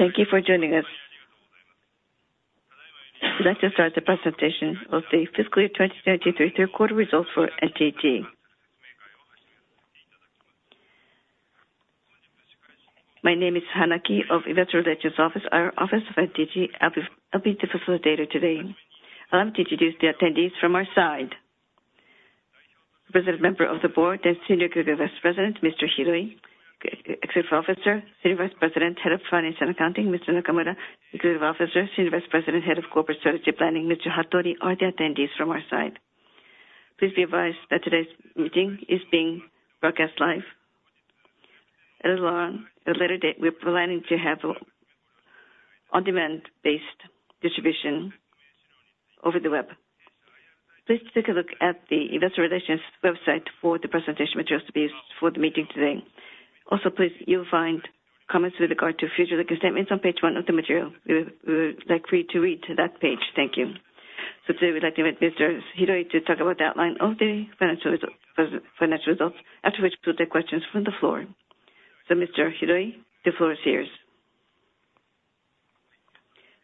Thank you for joining us. Let us start the presentation of the fiscal year 2023 third quarter results for NTT. My name is Hanaki of Investor Relations Office, our office of NTT. I'll be the facilitator today. Allow me to introduce the attendees from our side. President, Member of the Board, and Senior Executive Vice President Mr. Hiroi, Executive Officer, Senior Vice President, Head of Finance and Accounting Mr. Nakamura, Executive Officer, Senior Vice President, Head of Corporate Strategy Planning Mr. Hattori are the attendees from our side. Please be advised that today's meeting is being broadcast live. And along, at a later date, we're planning to have an on-demand based distribution over the web. Please take a look at the investor relations website for the presentation materials to be used for the meeting today. Also, please, you'll find comments with regard to future statements on page one of the material. We would like for you to read that page. Thank you. So today, we'd like to invite Mr. Hiroi to talk about the outline of the financial result, financial results, after which we'll take questions from the floor. So Mr. Hiroi, the floor is yours,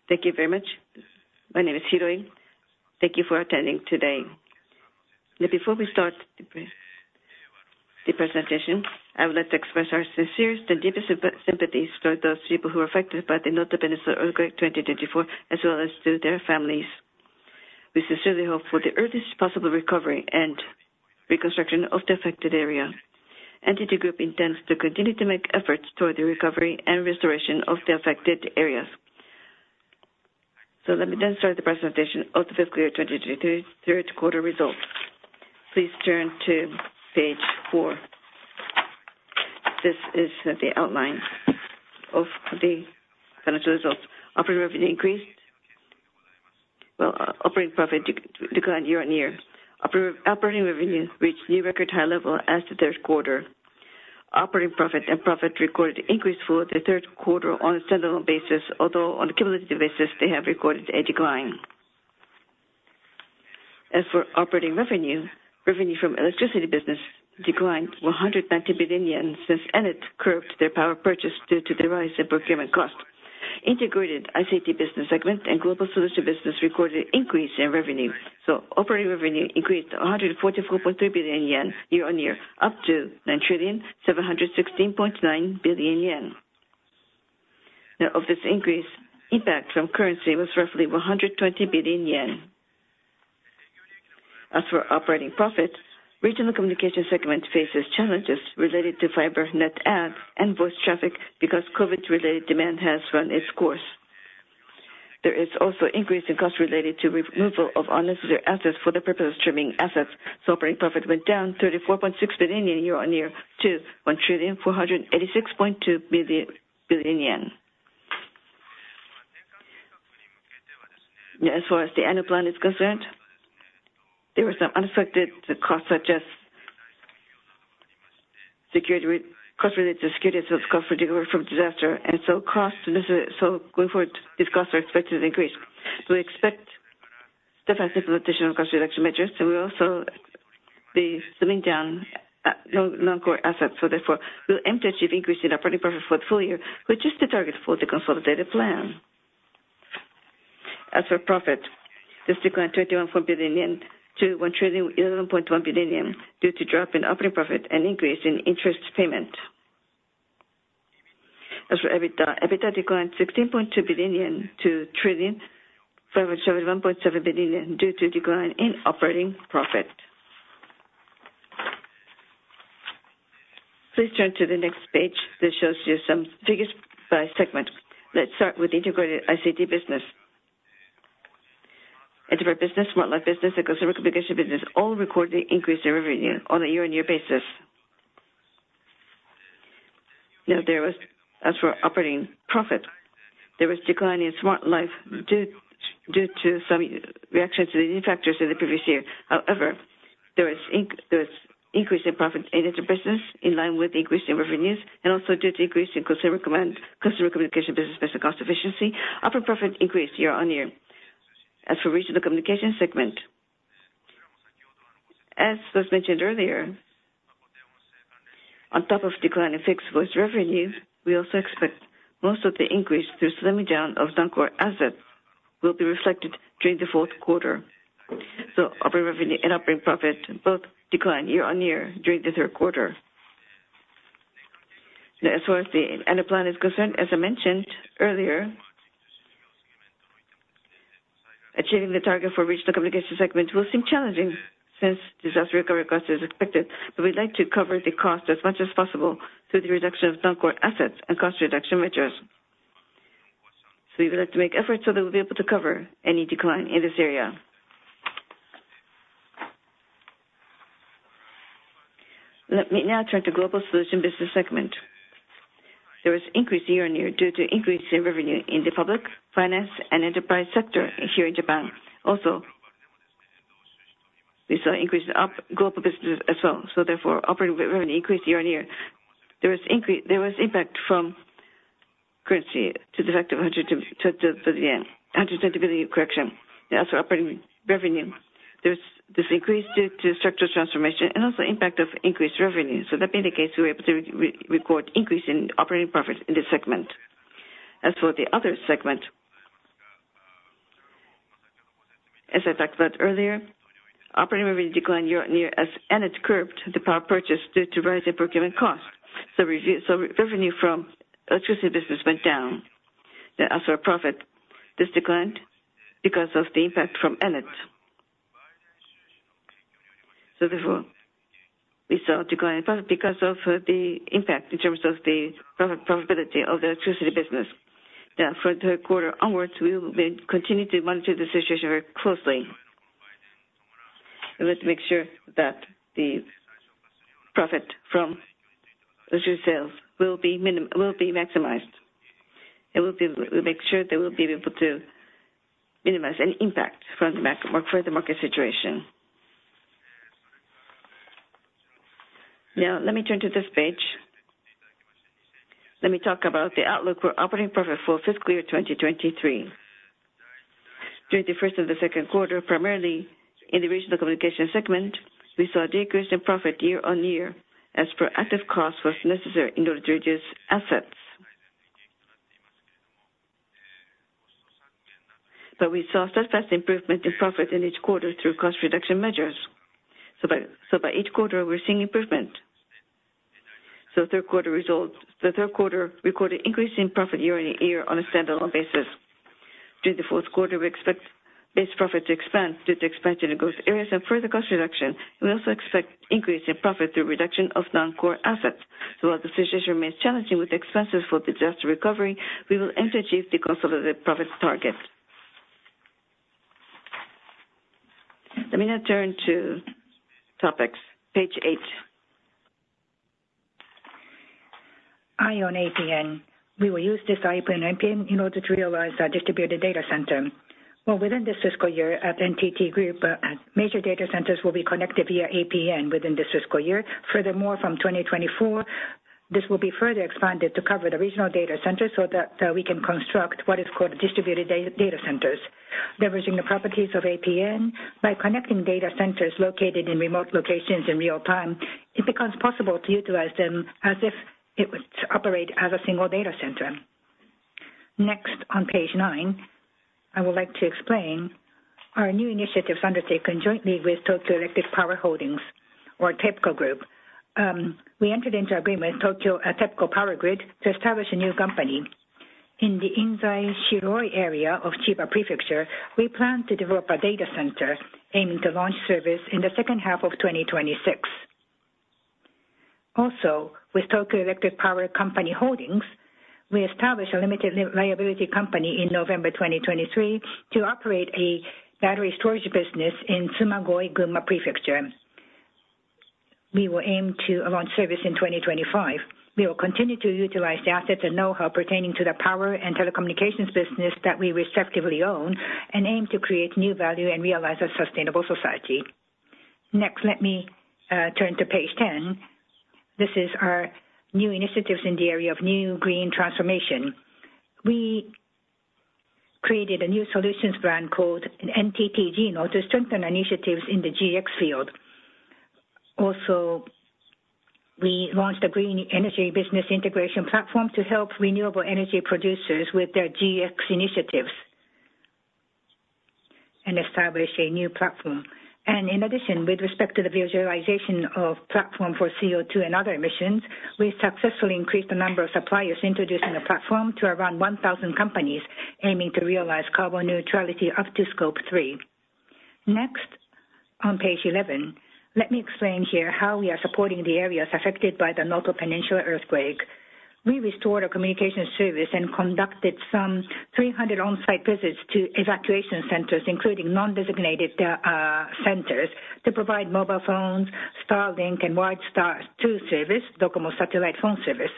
Thank you very much. My name is Hiroi. Thank you for attending today. Now, before we start the presentation, I would like to express our sincerest and deepest sympathies for those people who were affected by the Noto Peninsula earthquake 2024, as well as to their families. We sincerely hope for the earliest possible recovery and reconstruction of the affected area. NTT Group intends to continue to make efforts toward the recovery and restoration of the affected areas. So let me then start the presentation of the fiscal year 2023 third quarter results. Please turn to page four. This is the outline of the financial results. Operating revenue increased. Well, operating profit declined year-on-year. Operating revenue reached new record high level as the third quarter. Operating profit and profit recorded increase for the third quarter on a standalone basis, although on a cumulative basis, they have recorded a decline. As for operating revenue, revenue from electricity business declined 190 billion yen since Ennet curbed their power purchase due to the rise in procurement cost. Integrated ICT Business segment and Global Solution Business recorded increase in revenue, so operating revenue increased to 144.3 billion yen year-on-year, up to 9,716.9 billion yen. Now, of this increase, impact from currency was roughly 120 billion yen. As for operating profit, Regional Communication segment faces challenges related to fiber net add and voice traffic because COVID-related demand has run its course. There is also increase in cost related to removal of unnecessary assets for the purpose of trimming assets, so operating profit went down 34.6 billion year-on-year to JPY 1,486.2 billion. As far as the annual plan is concerned, there were some unexpected costs, such as security, cost related to security from disaster, and so costs, so going forward, these costs are expected to increase. We expect defensive implementation of cost reduction measures, and we'll also be slimming down non-core assets. Therefore, we'll aim to achieve increase in operating profit for the full year, which is the target for the consolidated plan. As for profit, this declined 31 billion yen to 1,011.1 billion yen due to drop in operating profit and increase in interest payment. As for EBITDA, EBITDA declined 16.2 billion yen to 1,501.7 billion yen due to decline in operating profit. Please turn to the next page. This shows you some figures by segment. Let's start with Integrated ICT Business. Integrated business, Smart Life Business, and Customer Communication Business all recorded increase in revenue on a year-on-year basis. Now, there was, as for operating profit, there was decline in Smart Life due to some reactions to the new factors in the previous year. However, there was increase in profit in business, in line with the increase in revenues and also due to increase in customer contact, customer communication business, business cost efficiency; operating profit increased year-on-year. As for Regional Communication segment, as was mentioned earlier, on top of decline in fixed voice revenue, we also expect most of the increase through slimming down of non-core assets will be reflected during the fourth quarter. So operating revenue and operating profit both declined year-on-year during the third quarter. As far as the annual plan is concerned, as I mentioned earlier, achieving the target for Regional Communication segment will seem challenging, since disaster recovery cost is expected, but we'd like to cover the cost as much as possible through the reduction of non-core assets and cost reduction measures. So we would like to make efforts so that we'll be able to cover any decline in this area. Let me now turn to Global Solution Business segment. There was increase year-on-year due to increase in revenue in the public, finance, and enterprise sector here in Japan. Also, we saw an increase in global business as well, so therefore, operating revenue increased year-on-year. There was impact from currency to the effect of 100 billion yen correction. As for operating revenue- ... there's this increase due to structural transformation and also impact of increased revenue. So that being the case, we were able to re-record increase in operating profit in this segment. As for the other segment, as I talked about earlier, operating revenue declined year on year as Ennet curbed the power purchase due to rise in procurement costs. So revenue from electricity business went down. The after profit, this declined because of the impact from Ennet. So therefore, we saw decline in profit because of the impact in terms of the profit, profitability of the electricity business. Now, for the third quarter onwards, we will be continuing to monitor the situation very closely. We want to make sure that the profit from electricity sales will be maximized, and we'll make sure they will be able to minimize any impact from the further market situation. Now, let me turn to this page. Let me talk about the outlook for operating profit for fiscal year 2023. During the first and the second quarter, primarily in the Regional Communication segment, we saw a decrease in profit year-on-year as proactive cost was necessary in order to reduce assets. But we saw successive improvement in profit in each quarter through cost reduction measures. So by each quarter, we're seeing improvement. Third quarter results. The third quarter recorded increase in profit year-on-year on a standalone basis. During the fourth quarter, we expect this profit to expand due to expansion in growth areas and further cost reduction. We also expect increase in profit through reduction of non-core assets. So while the situation remains challenging with expenses for disaster recovery, we will endeavor to achieve the consolidated profit target. Let me now turn to topics, page eight. IOWN APN. We will use this IOWN APN in order to realize our distributed data center. Well, within this fiscal year at NTT Group, major data centers will be connected via APN within this fiscal year. Furthermore, from 2024, this will be further expanded to cover the regional data centers so that we can construct what is called distributed data centers. Leveraging the properties of APN, by connecting data centers located in remote locations in real time, it becomes possible to utilize them as if it was to operate as a single data center. Next, on page nine, I would like to explain our new initiatives undertaken jointly with Tokyo Electric Power Company Holdings or TEPCO Group. We entered into agreement with Tokyo, TEPCO Power Grid, to establish a new company. In the Inzai-Shiroi area of Chiba Prefecture, we plan to develop a data center aiming to launch service in the second half of 2026. Also, with Tokyo Electric Power Company Holdings, we established a limited liability company in November 2023 to operate a battery storage business in Tsumagoi, Gunma Prefecture. We will aim to launch service in 2025. We will continue to utilize the assets and know-how pertaining to the power and telecommunications business that we respectively own, and aim to create new value and realize a sustainable society. Next, let me turn to page 10. This is our new initiatives in the area of new green transformation. We created a new solutions brand calledNTT G×Inno, in order to strengthen initiatives in the GX field. Also, we launched a green energy business integration platform to help renewable energy producers with their GX initiatives and establish a new platform. In addition, with respect to the visualization of platform for CO2 and other emissions, we successfully increased the number of suppliers introducing the platform to around 1,000 companies, aiming to realize carbon neutrality up to Scope 3. Next, on page 11, let me explain here how we are supporting the areas affected by the Noto Peninsula earthquake. We restored our communication service and conducted some 300 on-site visits to evacuation centers, including non-designated centers, to provide mobile phones, Starlink and Widestar II service, Docomo satellite phone service.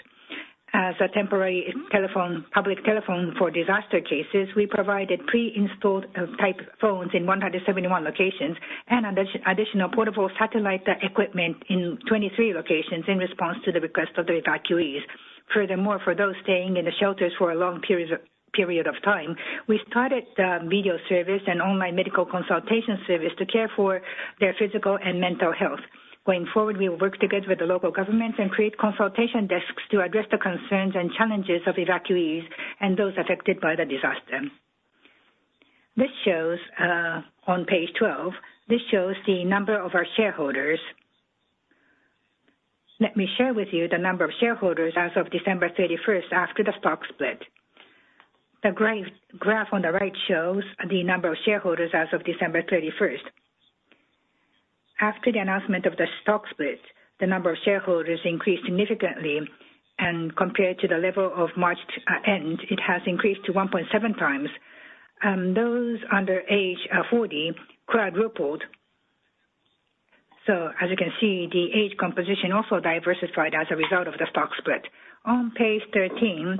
As a temporary telephone, public telephone for disaster cases, we provided pre-installed type phones in 171 locations, and additional portable satellite equipment in 23 locations in response to the request of the evacuees. Furthermore, for those staying in the shelters for a long period of time, we started video service and online medical consultation service to care for their physical and mental health. Going forward, we will work together with the local governments and create consultation desks to address the concerns and challenges of evacuees and those affected by the disaster. This shows on page 12, this shows the number of our shareholders. Let me share with you the number of shareholders as of December 31st, after the stock split. The graph on the right shows the number of shareholders as of December 31st. After the announcement of the stock split, the number of shareholders increased significantly, and compared to the level of March end, it has increased to 1.7x. Those under age 40 quadrupled. So as you can see, the age composition also diversified as a result of the stock split. On page 13,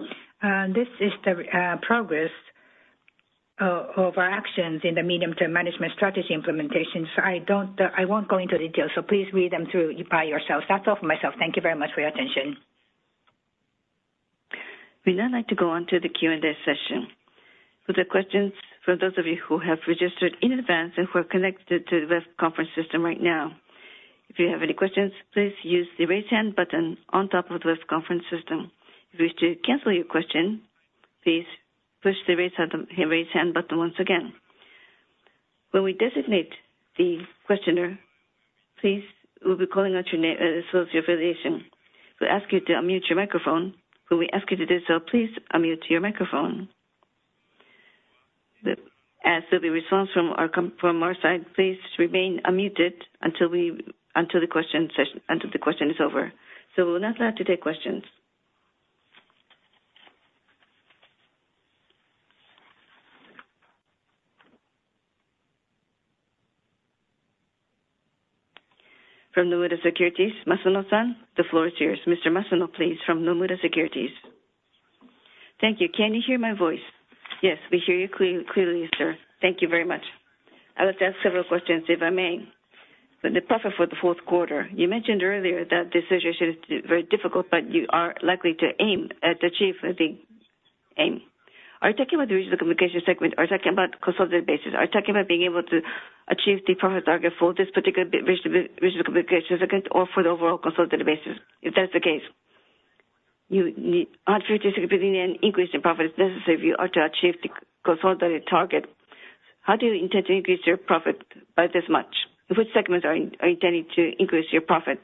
this is the progress of our actions in the medium-term management strategy implementation. So I don't, I won't go into detail, so please read them through by yourselves. That's all for myself. Thank you very much for your attention.... We'd now like to go on to the Q&A session. For the questions, for those of you who have registered in advance and who are connected to the web conference system right now, if you have any questions, please use the Raise Hand button on top of the web conference system. If you wish to cancel your question, please push the Raise Hand button once again. When we designate the questioner, please, we'll be calling out your name as well as your affiliation. We'll ask you to unmute your microphone. When we ask you to do so, please unmute your microphone. As there'll be response from our side, please remain unmuted until the question is over. So we'll now start to take questions. From Nomura Securities, Masuno San, the floor is yours. Mr. Masuno, please, from Nomura Securities. Thank you. Can you hear my voice? Yes, we hear you clearly, sir. Thank you very much. I would like to ask several questions, if I may. The profit for the fourth quarter, you mentioned earlier that the situation is very difficult, but you are likely to aim at achieve the aim. Are you talking about the Regional Communication segment or are you talking about consolidated basis? Are you talking about being able to achieve the profit target for this particular Regional Communication segment or for the overall consolidated basis? If that's the case, you are JPY 36 billion increase in profit is necessary if you are to achieve the consolidated target. How do you intend to increase your profit by this much? In which segments are you intending to increase your profit?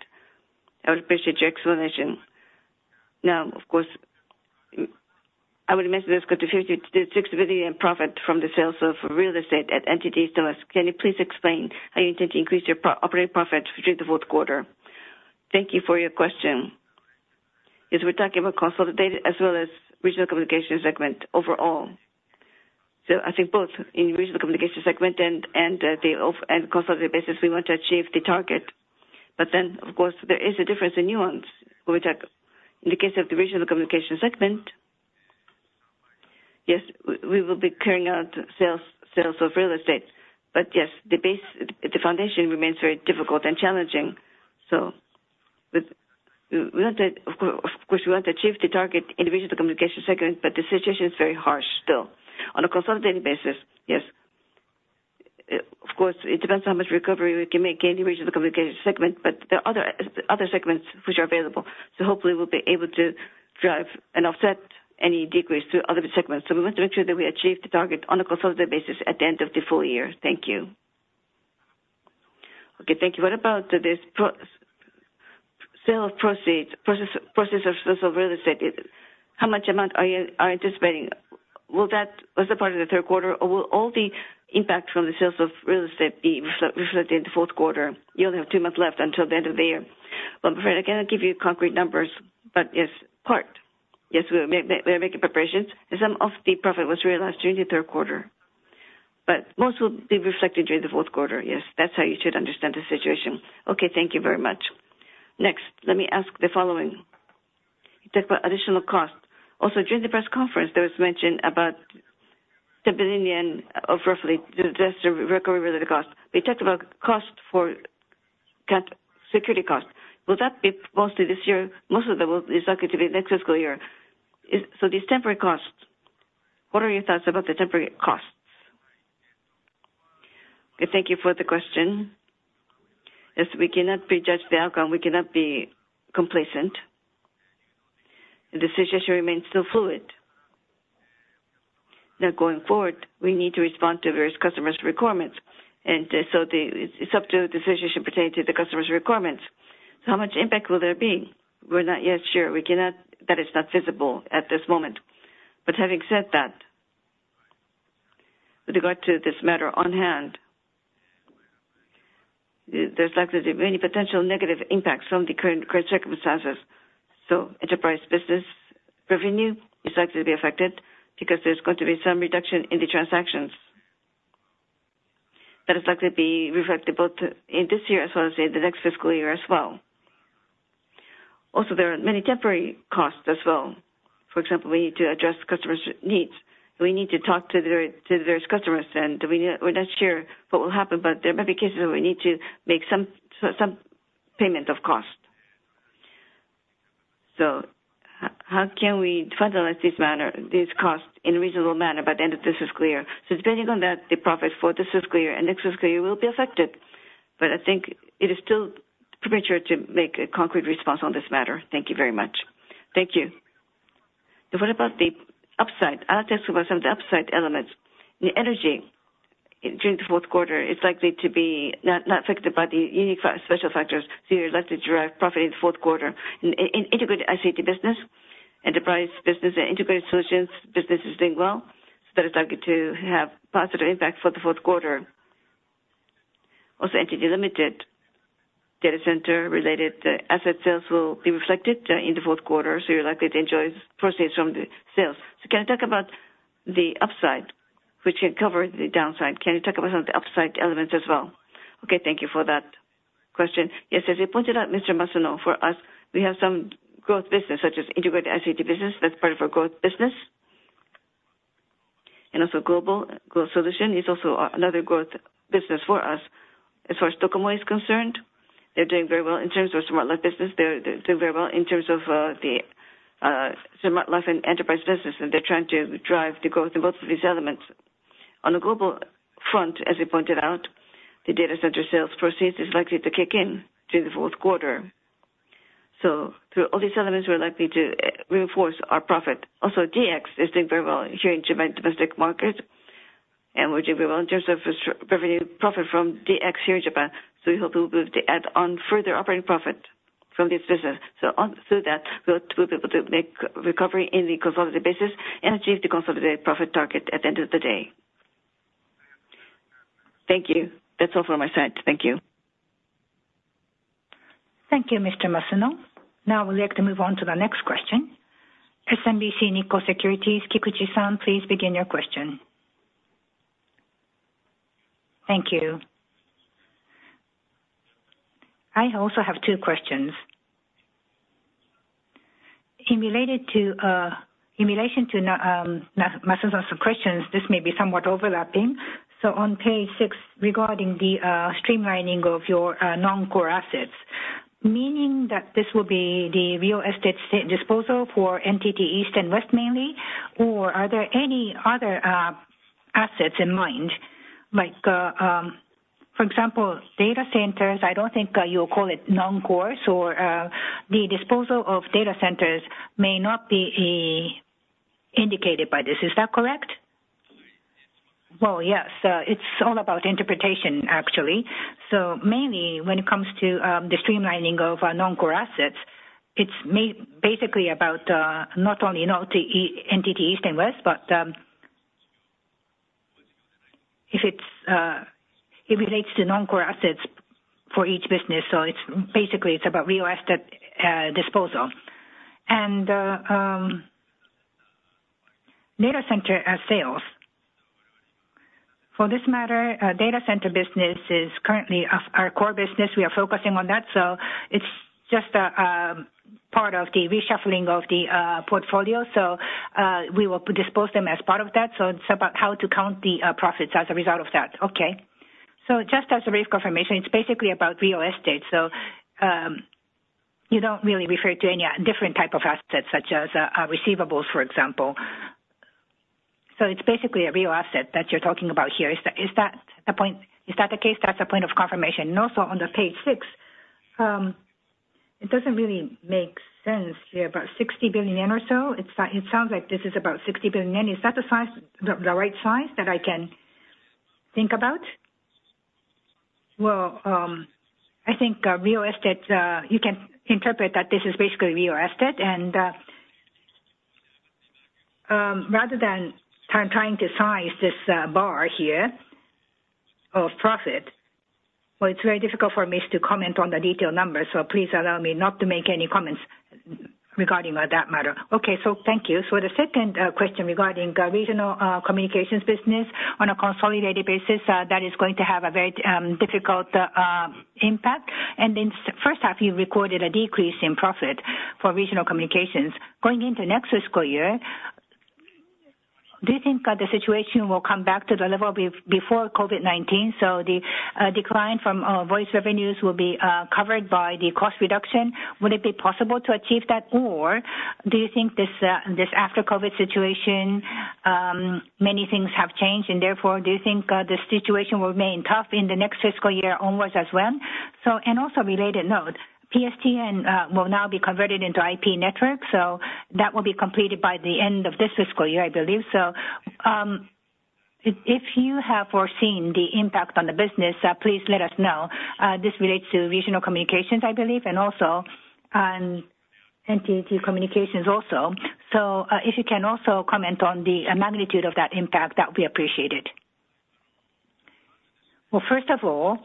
I would appreciate your explanation. Now, of course, I would imagine there's going to be 50 billion-60 billion profit from the sales of real estate at NTT Data. Can you please explain how you intend to increase your operating profit during the fourth quarter? Thank you for your question. Yes, we're talking about consolidated as well as Regional Communications segment overall. So I think both in Regional Communications segment and consolidated basis, we want to achieve the target. But then, of course, there is a difference in nuance. When we talk, in the case of the Regional Communications segment, yes, we will be carrying out sales of real estate. But yes, the base, the foundation remains very difficult and challenging. So, we want to, of course, of course, we want to achieve the target in the Regional Communications segment, but the situation is very harsh still. On a consolidated basis, yes, of course, it depends on how much recovery we can make in the Regional Communication segment, but there are other segments which are available, so hopefully we'll be able to drive and offset any decrease to other segments. So we want to make sure that we achieve the target on a consolidated basis at the end of the full year. Thank you. Okay, thank you. What about this proceeds process of sales of real estate? How much amount are you anticipating? Will that as a part of the third quarter, or will all the impact from the sales of real estate be reflected in the fourth quarter? You only have two months left until the end of the year. Well, again, I cannot give you concrete numbers, but yes, part. Yes, we are making preparations. Some of the profit was realized during the third quarter, but most will be reflected during the fourth quarter. Yes, that's how you should understand the situation. Okay, thank you very much. Next, let me ask the following. You talked about additional costs. Also, during the press conference, there was mention about 10 billion of roughly the disaster recovery related cost. We talked about cost for CapEx, security cost. Will that be mostly this year? Most of them will be likely to be next fiscal year. So these temporary costs, what are your thoughts about the temporary costs? Thank you for the question. Yes, we cannot prejudge the outcome. We cannot be complacent. The situation remains still fluid. Now, going forward, we need to respond to various customers' requirements, and so the, it's up to the decision pertaining to the customer's requirements. So how much impact will there be? We're not yet sure. We cannot, that is not visible at this moment. But having said that, with regard to this matter on hand, there's likely to be many potential negative impacts from the current circumstances. So enterprise business revenue is likely to be affected because there's going to be some reduction in the transactions. That is likely to be reflected both in this year as well as in the next fiscal year as well. Also, there are many temporary costs as well. For example, we need to address customers' needs. We need to talk to various customers, and we're not sure what will happen, but there might be cases where we need to make some payment of cost. So how can we finalize this matter, these costs, in a reasonable manner by the end of this fiscal year? So depending on that, the profits for this fiscal year and next fiscal year will be affected. But I think it is still premature to make a concrete response on this matter. Thank you very much. Thank you. What about the upside? I'll ask you about some of the upside elements. The energy during the fourth quarter is likely to be not affected by the unique special factors, so you're likely to drive profit in the fourth quarter. In Integrated ICT Business, enterprise business, and integrated solutions business is doing well, so that is likely to have positive impact for the fourth quarter. Also, NTT Limited data center related asset sales will be reflected in the fourth quarter, so you're likely to enjoy proceeds from the sales. So can you talk about the upside, which had covered the downside? Can you talk about some of the upside elements as well? Okay, thank you for that question. Yes, as you pointed out, Mr. Masuno, for us, we have some growth business, such as Integrated ICT Business. That's part of our growth business and also Global Solutions Business is also another growth business for us. As far as DOCOMO is concerned, they're doing very well in terms of Smart Life business. They're, they're doing very well in terms of the Smart Life and enterprise business, and they're trying to drive the growth in both of these elements. On a global front, as I pointed out, the data center sales proceeds is likely to kick in during the fourth quarter. So through all these elements, we're likely to reinforce our profit. Also, DX is doing very well here in Japan domestic market, and we're doing very well in terms of revenue profit from DX here in Japan. So we hope we'll be able to add on further operating profit from this business. So through that, we'll be able to make recovery in the consolidated basis and achieve the consolidated profit target at the end of the day. Thank you. That's all from my side. Thank you. Thank you, Mr. Masuno. Now we'd like to move on to the next question. SMBC Nikko Securities, Kikuchi-san, please begin your question. Thank you. I also have two questions. In relation to Masuno-san's questions, this may be somewhat overlapping. So on page six, regarding the streamlining of your non-core assets, meaning that this will be the real estate disposal for NTT East and West mainly, or are there any other assets in mind? Like, for example, data centers, I don't think you call it non-cores or the disposal of data centers may not be indicated by this. Is that correct? Well, yes, it's all about interpretation, actually. So mainly when it comes to the streamlining of our non-core assets, it's basically about not only NTT East and NTT West, but if it's it relates to non-core assets for each business, so it's basically, it's about real estate disposal. And, data center sales. For this matter, data center business is currently of our core business. We are focusing on that, so it's just a part of the reshuffling of the portfolio. So, we will dispose them as part of that, so it's about how to count the profits as a result of that. Okay. So just as a brief confirmation, it's basically about real estate. So, you don't really refer to any different type of assets, such as, receivables, for example. So it's basically a real asset that you're talking about here. Is that, is that the point? Is that the case? That's a point of confirmation. And also on page 6, it doesn't really make sense here, about 60 billion yen or so. It sounds like this is about 60 billion yen. Is that the size, the right size that I can think about? Well, I think real estate, you can interpret that this is basically real estate, and rather than trying to size this bar here of profit, well, it's very difficult for me to comment on the detailed numbers, so please allow me not to make any comments regarding that matter. Okay. So thank you. So the second question regarding Regional Communications Business on a consolidated basis, that is going to have a very difficult impact. In first half, you recorded a decrease in profit for Regional Ccommunications. Going into next fiscal year, do you think the situation will come back to the level before COVID-19, so the decline from voice revenues will be covered by the cost reduction? Would it be possible to achieve that? Or do you think this after-COVID situation, many things have changed, and therefore, do you think the situation will remain tough in the next fiscal year onwards as well? And also, on a related note, PSTN will now be converted into IP network, so that will be completed by the end of this fiscal year, I believe. So, if you have foreseen the impact on the business, please let us know. This relates to Regional Communications, I believe, and also, NTT Communications also. So, if you can also comment on the magnitude of that impact, that would be appreciated. Well, first of all,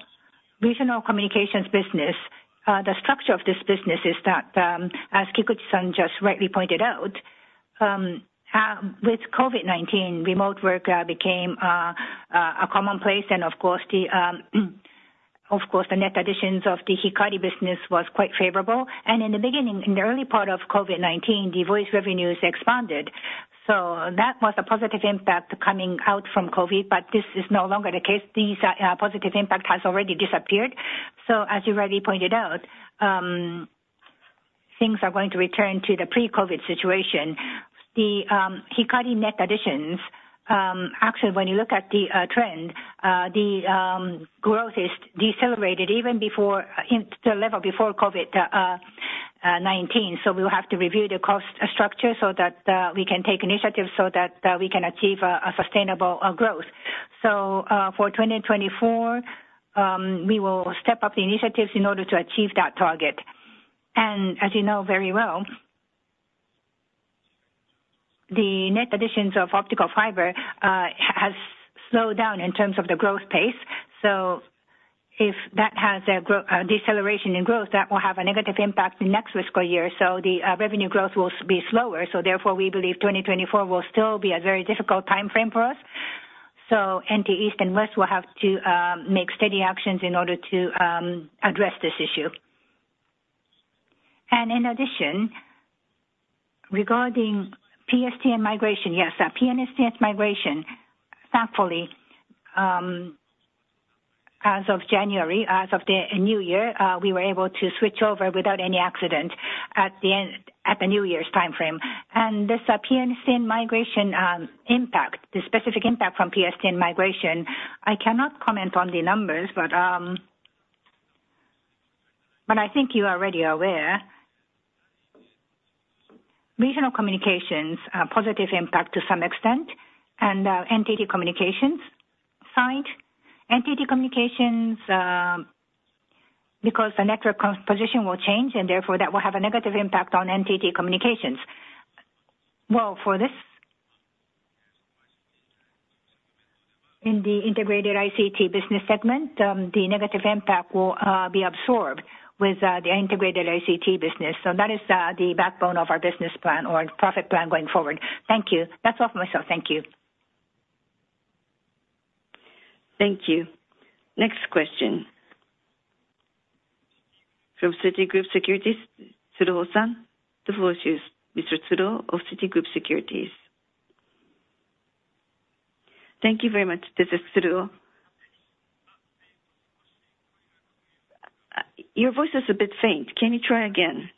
Regional Communications Business, the structure of this business is that, as Kikuchi-san just rightly pointed out, with COVID-19, remote work became a commonplace, and of course, the net additions of the Hikari business was quite favorable. And in the beginning, in the early part of COVID-19, the voice revenues expanded. So that was a positive impact coming out from COVID, but this is no longer the case. The positive impact has already disappeared. So as you rightly pointed out, things are going to return to the pre-COVID situation. The Hikari net additions, actually, when you look at the trend, the growth is decelerated even before, in the level before COVID-19. So we will have to review the cost structure so that we can take initiatives so that we can achieve a sustainable growth. So, for 2024, we will step up the initiatives in order to achieve that target. And as you know very well, the net additions of optical fiber has slowed down in terms of the growth pace. So if that has a deceleration in growth, that will have a negative impact in next fiscal year. So the revenue growth will be slower, so therefore, we believe 2024 will still be a very difficult timeframe for us. So NTT East and NTT West will have to make steady actions in order to address this issue. In addition, regarding PSTN migration, yes, PSTN migration, thankfully, as of January, as of the new year, we were able to switch over without any accident at the end, at the New Year's time frame. And this, PSTN migration, impact, the specific impact from PSTN migration, I cannot comment on the numbers, but, but I think you are already aware. Regional Communications, a positive impact to some extent, and, NTT Communications side. NTT Communications, because the network composition will change, and therefore that will have a negative impact on NTT Communications. Well, for this, in the Integrated ICT Business segment, the negative impact will, be absorbed with, the Integrated ICT Business. So that is, the backbone of our business plan or profit plan going forward. Thank you. That's all for myself. Thank you. Thank you. Next question from Citigroup Securities, Tsuruo-san. The floor is yours, Mr. Tsuruo of Citigroup Securities. Thank you very much. This is Tsuruo. Your voice is a bit faint. Can you try again?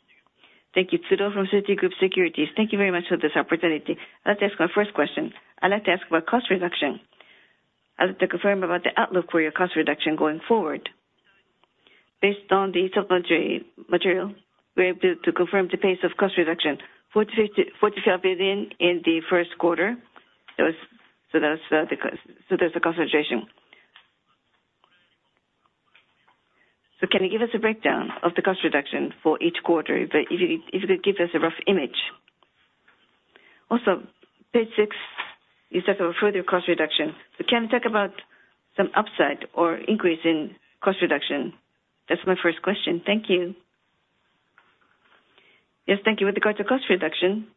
Thank you. Tsuruo from Citigroup Securities. Thank you very much for this opportunity. I'd like to ask my first question. I'd like to ask about cost reduction. I'd like to confirm about the outlook for your cost reduction going forward. Based on the supplementary material, we're able to confirm the pace of cost reduction, JPY 40-50 billion, 45 billion in the first quarter. So that's, so there's a concentration. So can you give us a breakdown of the cost reduction for each quarter? But if you, if you could give us a rough image. Also, page six, you said for further cost reduction. So can you talk about some upside or increase in cost reduction? That's my first question. Thank you. Yes, thank you. With regard to cost reduction,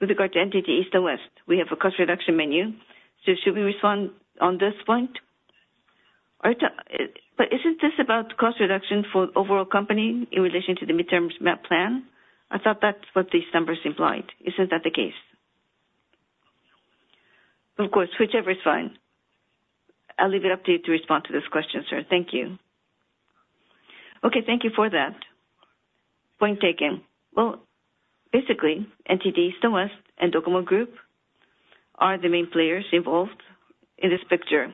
with regard to NTT East and West, we have a cost reduction menu. So should we respond on this point? Or, but isn't this about cost reduction for overall company in relation to the mid-term map plan? I thought that's what these numbers implied. Isn't that the case? Of course, whichever is fine. I'll leave it up to you to respond to this question, sir. Thank you. Okay. Thank you for that. Point taken. Well, basically, NTT East and West and DOCOMO Group are the main players involved in this picture.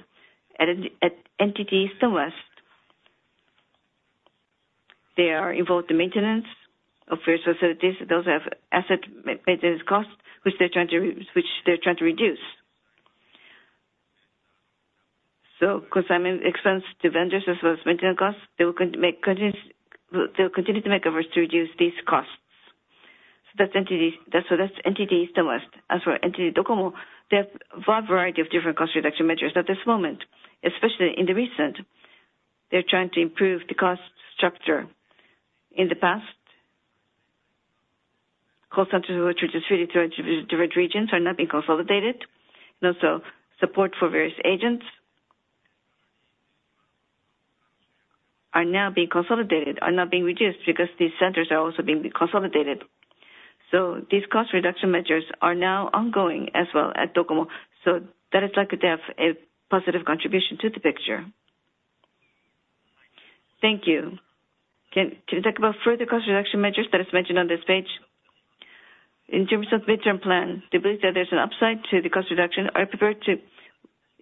At NTT East and West, they are involved in maintenance of various facilities. Those have asset maintenance costs, which they're trying to reduce. So consignment expense to vendors, as well as maintenance costs, they'll continue to make efforts to reduce these costs. So that's NTT. So that's NTT East and NTT West. As for NTT DOCOMO, they have a wide variety of different cost reduction measures at this moment, especially in the recent. They're trying to improve the cost structure. In the past, call centers, which are distributed to regions, are now being consolidated, and also support for various agents are now being consolidated, are now being reduced because these centers are also being consolidated. So these cost reduction measures are now ongoing as well at DOCOMO. So that is likely to have a positive contribution to the picture. Thank you. Can you talk about further cost reduction measures that is mentioned on this page? In terms of midterm plan, do you believe that there's an upside to the cost reduction?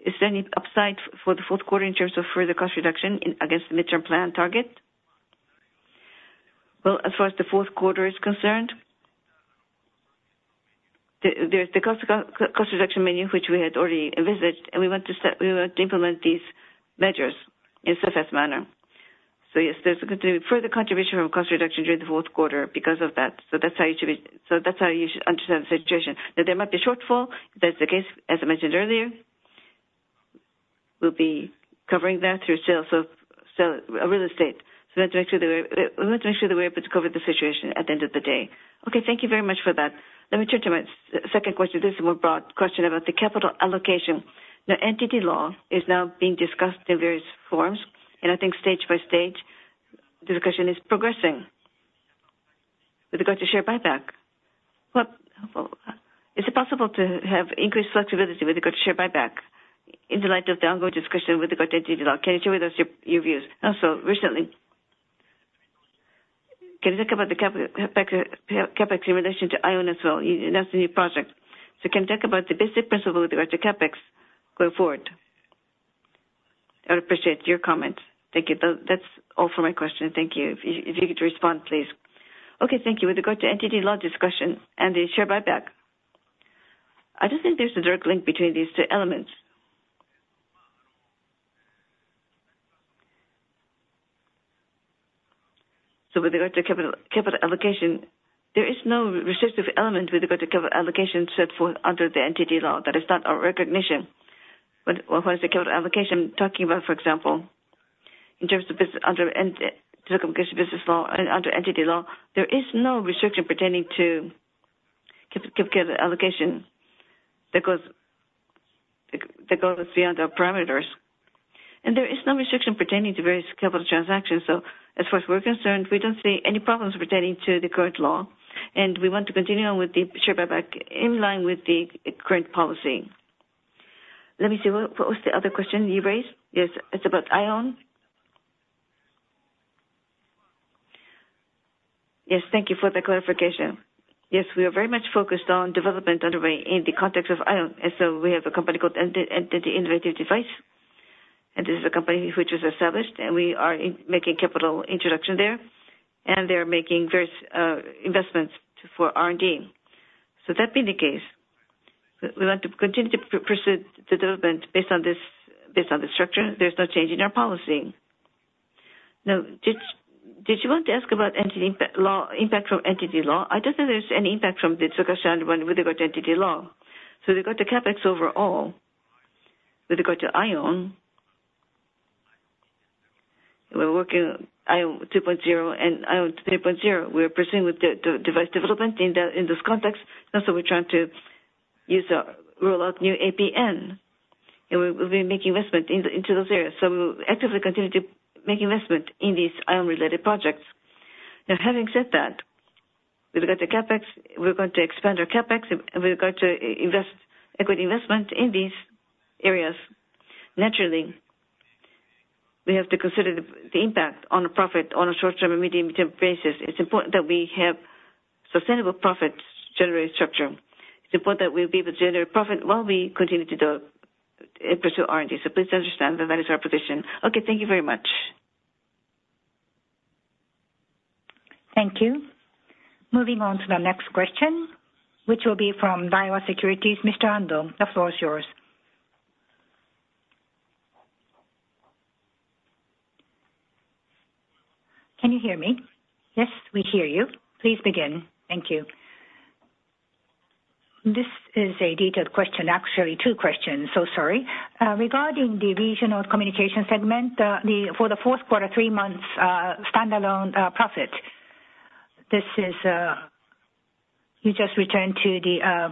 Is there any upside for the fourth quarter in terms of further cost reduction against the midterm plan target? Well, as far as the fourth quarter is concerned, there's the cost reduction menu, which we had already envisaged, and we want to implement these measures in a successful manner. So yes, there's going to be further contribution from cost reduction during the fourth quarter because of that. So that's how you should be, so that's how you should understand the situation. Now, there might be a shortfall. That's the case, as I mentioned earlier. We'll be covering that through sales of real estate. So we want to make sure that we're able to cover the situation at the end of the day. Okay. Thank you very much for that. Let me turn to my second question. This is a more broad question about the capital allocation. The NTT Law is now being discussed in various forms, and I think stage by stage, the discussion is progressing. With regard to share buyback, what is it possible to have increased flexibility with regard to share buyback in light of the ongoing discussion with regard to NTT Law? Can you share with us your views? Also, recently, can you talk about the CapEx in relation to IOWN as well? That's the new project. So can you talk about the basic principle with regard to CapEx going forward? I appreciate your comments. Thank you. That's all for my questions. Thank you. If you could respond, please. Okay, thank you. With regard to NTT Law discussion and the share buyback, I don't think there's a direct link between these two elements. So with regard to capital allocation, there is no restrictive element with regard to capital allocation set forth under the NTT Law. That is not our recognition. But what is the capital allocation talking about, for example, in terms of business under telecommunication business law and under NTT Law, there is no restriction pertaining to capital allocation that goes that goes beyond our parameters. And there is no restriction pertaining to various capital transactions, so as far as we're concerned, we don't see any problems pertaining to the current law, and we want to continue on with the share buyback in line with the current policy. Let me see, what was the other question you raised? Yes, it's about IOWN. Yes, thank you for the clarification. Yes, we are very much focused on development underway in the context of IOWN, and so we have a company called NTT Innovative Devices. And this is a company which was established, and we are in, making capital introduction there, and they are making various investments for R&D. So that being the case, we want to continue to pursue the development based on this, based on this structure. There's no change in our policy. Now, did you want to ask about NTT Law impact, impact from NTT Law? I don't think there's any impact from the discussion with regard to NTT Law. So with regard to CapEx overall, with regard to IOWN, we're working IOWN 2.0 and IOWN 3.0. We're pursuing with the device development in this context, and so we're trying to roll out new APN, and we'll be making investment into those areas. So we will actively continue to make investment in these IOWN-related projects. Now, having said that, with regard to CapEx, we're going to expand our CapEx, and with regard to equity investment in these areas, naturally, we have to consider the impact on the profit on a short-term and medium-term basis. It's important that we have sustainable profits generation structure. It's important that we'll be able to generate profit while we continue to do and pursue R&D. So please understand that that is our position. Okay, thank you very much. Thank you. Moving on to the next question, which will be from Daiwa Securities. Mr. Ando, the floor is yours. Can you hear me? Yes, we hear you. Please begin. Thank you. This is a detailed question, actually two questions, so sorry. Regarding the Regional communication segment, for the fourth quarter, three months, standalone profit, this is you just returned to the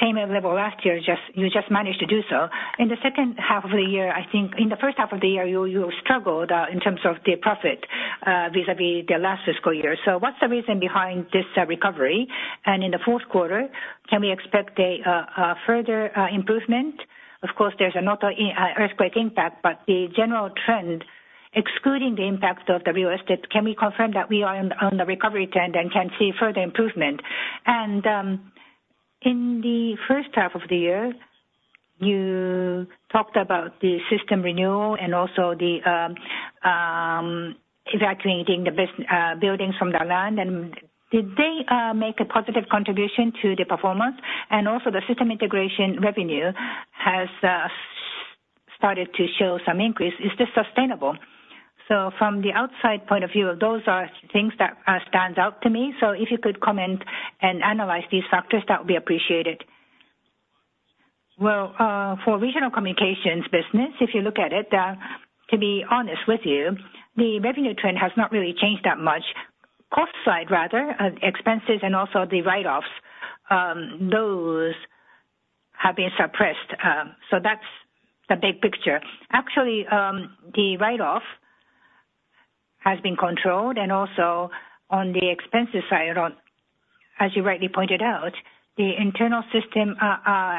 same level last year, just, you just managed to do so. In the second half of the year, I think in the first half of the year, you struggled in terms of the profit vis-a-vis the last fiscal year. So what's the reason behind this recovery? In the fourth quarter, can we expect a further improvement? Of course, there's another earthquake impact, but the general trend, excluding the impact of the real estate, can we confirm that we are on the recovery trend and can see further improvement? And in the first half of the year, you talked about the system renewal and also the evacuating the bus buildings from the land, and did they make a positive contribution to the performance? And also, the system integration revenue has started to show some increase. Is this sustainable? So from the outside point of view, those are things that stands out to me. So if you could comment and analyze these factors, that would be appreciated. Well, for Regional Communications Business, if you look at it, to be honest with you, the revenue trend has not really changed that much. Cost side, rather, expenses and also the write-offs, those have been suppressed. So that's the big picture. Actually, the write-off has been controlled, and also on the expenses side, on, as you rightly pointed out, the internal system,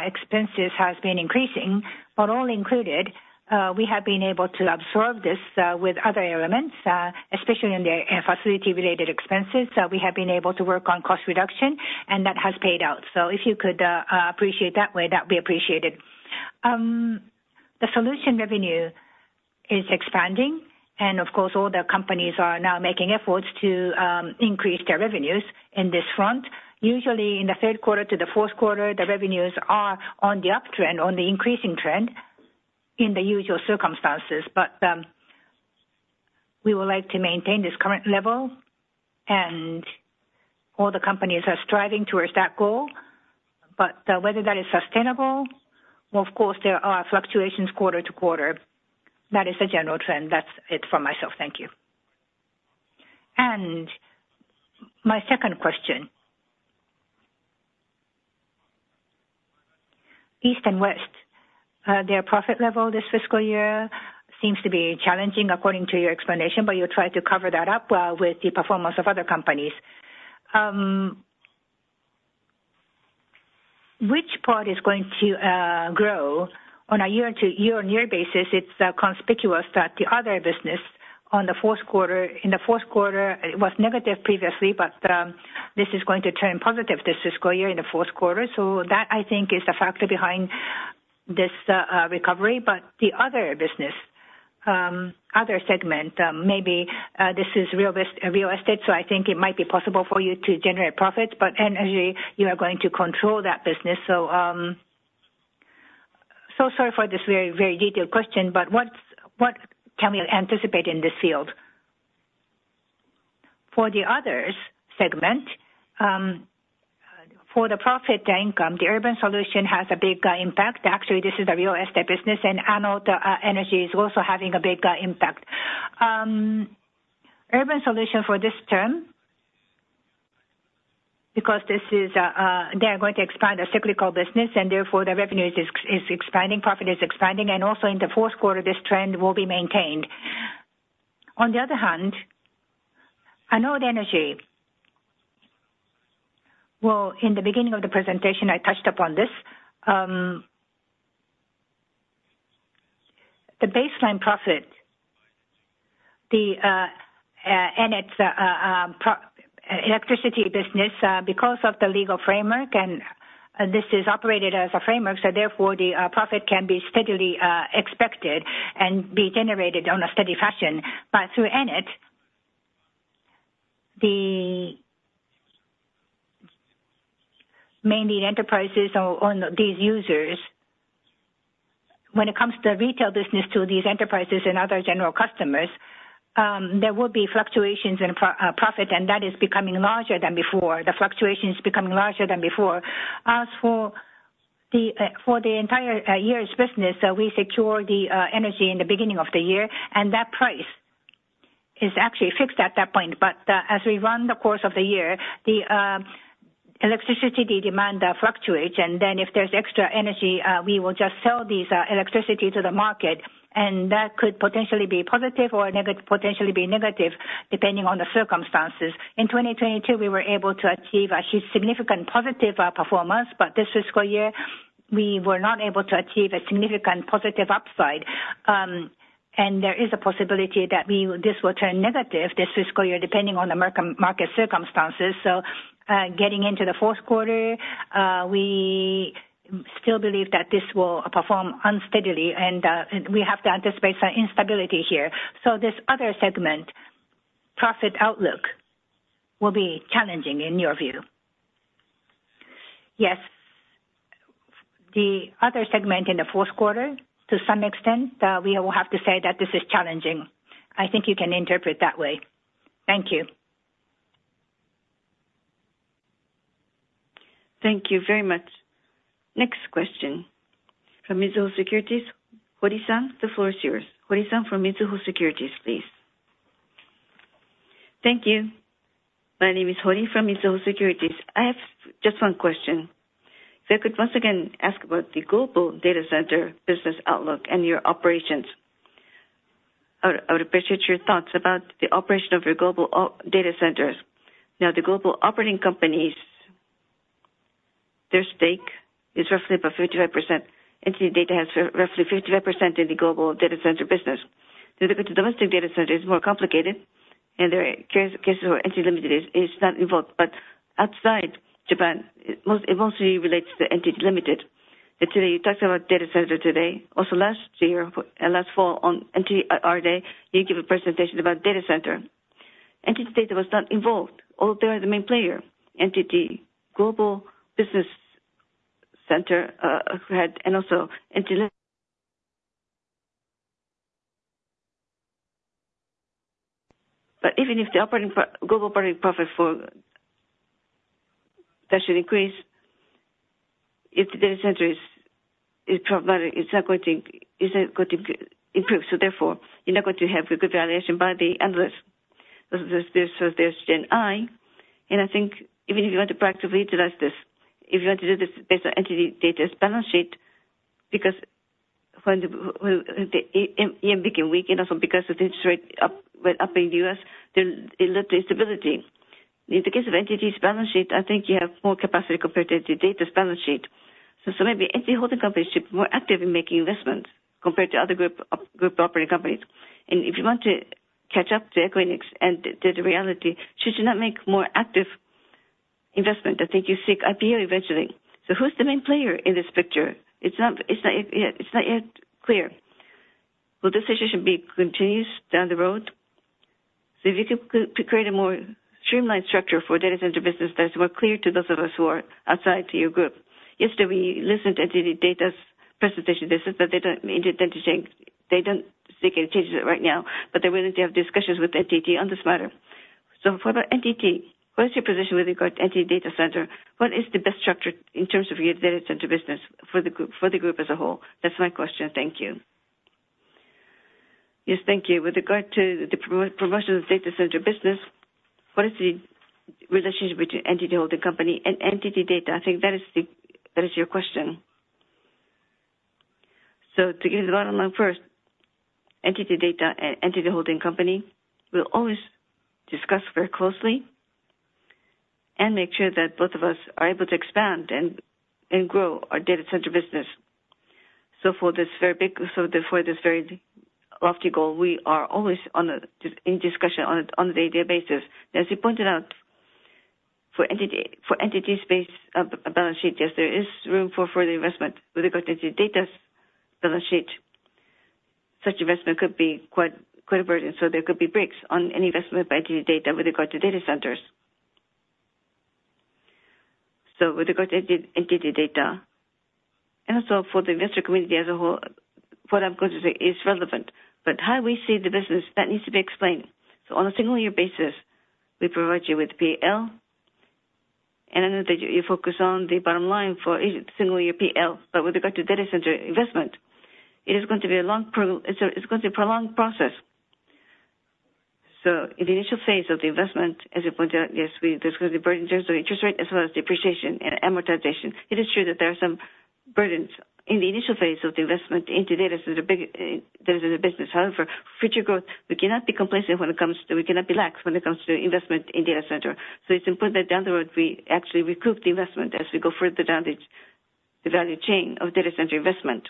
expenses has been increasing. But all included, we have been able to absorb this, with other elements, especially in the, facility-related expenses. So we have been able to work on cost reduction, and that has paid out. So if you could, appreciate that way, that would be appreciated. The solution revenue is expanding, and of course, all the companies are now making efforts to, increase their revenues in this front. Usually, in the third quarter to the fourth quarter, the revenues are on the uptrend, on the increasing trend in the usual circumstances. But, we would like to maintain this current level, and all the companies are striving towards that goal. But, whether that is sustainable, well, of course, there are fluctuations quarter to quarter. That is the general trend. That's it from myself. Thank you. My second question. East and West, their profit level this fiscal year seems to be challenging, according to your explanation, but you tried to cover that up, with the performance of other companies. Which part is going to, grow on a year-to-year-on-year basis? It's conspicuous that the other business on the fourth quarter, in the fourth quarter, it was negative previously, but, this is going to turn positive this fiscal year in the fourth quarter. So that, I think, is the factor behind this recovery. But the other business, other segment, maybe this is real estate, so I think it might be possible for you to generate profits, but energy, you are going to control that business. So, so sorry for this very, very detailed question, but what's, what can we anticipate in this field? For the others segment, for the profit income, the Urban Solutions has a big impact. Actually, this is the real estate business, and Anode Energy is also having a big impact. Urban Solutions for this term because they are going to expand the cyclical business, and therefore the revenue is expanding, profit is expanding, and also in the fourth quarter, this trend will be maintained. On the other hand, Anode Energy. Well, in the beginning of the presentation, I touched upon this. The baseline profit, and it's the electricity business, because of the legal framework, and this is operated as a framework, so therefore, the profit can be steadily expected and be generated on a steady fashion. But through Ennet, the mainly enterprises or these users, when it comes to the retail business, to these enterprises and other general customers, there will be fluctuations in profit, and that is becoming larger than before. The fluctuation is becoming larger than before. As for the entire year's business, so we secure the energy in the beginning of the year, and that price is actually fixed at that point. But as we run the course of the year, the electricity, the demand fluctuates, and then if there's extra energy, we will just sell these electricity to the market, and that could potentially be positive or potentially be negative, depending on the circumstances. In 2022, we were able to achieve a significant positive performance, but this fiscal year, we were not able to achieve a significant positive upside. And there is a possibility that this will turn negative, this fiscal year, depending on the market circumstances. So getting into the fourth quarter, we still believe that this will perform unsteadily, and we have to anticipate some instability here. So this other segment, profit outlook will be challenging in your view? Yes. The other segment in the fourth quarter, to some extent, we will have to say that this is challenging. I think you can interpret that way. Thank you. Thank you very much. Next question from Mizuho Securities, Hori-san, the floor is yours. Hori-san from Mizuho Securities, please. Thank you. My name is Hori from Mizuho Securities. I have just one question. If I could once again ask about the global data center business outlook and your operations, I would appreciate your thoughts about the operation of your global data centers. Now, the global operating companies, their stake is roughly about 55%. NTT Data has roughly 55% in the global data center business. The domestic data center is more complicated, and there are cases where NTT Limited is not involved, but outside Japan, it mostly relates to NTT Limited. Today, you talked about data center. Also last year, and last fall on NTT R day, you gave a presentation about data center. NTT Data was not involved, although they are the main player, NTT Global Business Center had, and also NTT. But even if the operating global operating profit for that should increase, if the data center is probably, it's not going to improve. So therefore, you're not going to have a good valuation by the end of this, so there's GenAI. And I think even if you want to practically utilize this, if you want to do this based on NTT DATA's balance sheet, because when the EM became weak, and also because the interest rate went up in the U.S., then it led to instability. In the case of NTT's balance sheet, I think you have more capacity compared to DATA's balance sheet. So maybe NTT Holding Company should be more active in making investments compared to other group operating companies. If you want to catch up to Equinix and the reality, should you not make more active investment? I think you seek IPO eventually. So who's the main player in this picture? It's not yet clear. Well, this issue should be continuous down the road. So if you could, to create a more streamlined structure for data center business that is more clear to those of us who are outside to your group. Yesterday, we listened to NTT Data's presentation. They said that they don't intend to change. They don't seek any changes right now, but they're willing to have discussions with NTT on this matter. So for the NTT, what is your position with regard to NTT Data Center? What is the best structure in terms of your data center business for the group, for the group as a whole? That's my question. Thank you. Yes, thank you. With regard to the promotion of data center business, what is the relationship between NTT Holding Company and NTT Data? I think that is your question. So to give the bottom line first, NTT Data and NTT Holding Company will always discuss very closely and make sure that both of us are able to expand and grow our data center business. So for this very big, so therefore, this very lofty goal, we are always in discussion on a day-to-day basis. As you pointed out, for NTT, for NTT's balance sheet, yes, there is room for further investment. With regard to data balance sheet, such investment could be quite a burden, so there could be brakes on any investment by NTT Data with regard to data centers. With regard to NTT Data, and also for the investor community as a whole, what I'm going to say is relevant, but how we see the business, that needs to be explained. On a single year basis, we provide you with PL, and I know that you, you focus on the bottom line for each single year PL, but with regard to data center investment, it is going to be a prolonged process. So in the initial phase of the investment, as you pointed out, yes, we discussed the burden in terms of interest rate as well as depreciation and amortization. It is true that there are some burdens in the initial phase of the investment into data center, big data center business. However, future growth, we cannot be complacent when it comes to, we cannot be lax when it comes to investment in data center. So it's important that down the road, we actually recoup the investment as we go further down the, the value chain of data center investment.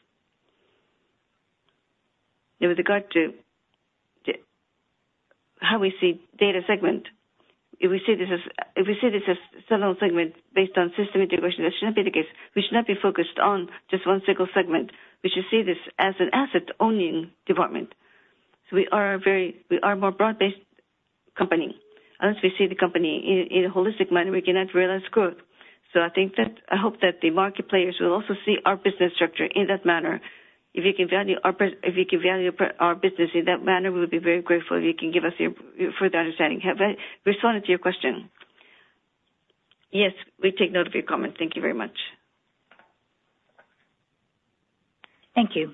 And with regard to the, how we see data segment, if we see this as, if we see this as standalone segment based on system integration, that should not be the case. We should not be focused on just one single segment. We should see this as an asset-owning department. So we are a more broad-based company. Unless we see the company in a holistic manner, we cannot realize growth. So I think that I hope that the market players will also see our business structure in that manner. If you can value our business in that manner, we will be very grateful if you can give us your further understanding. Have I responded to your question? Yes, we take note of your comment. Thank you very much. Thank you.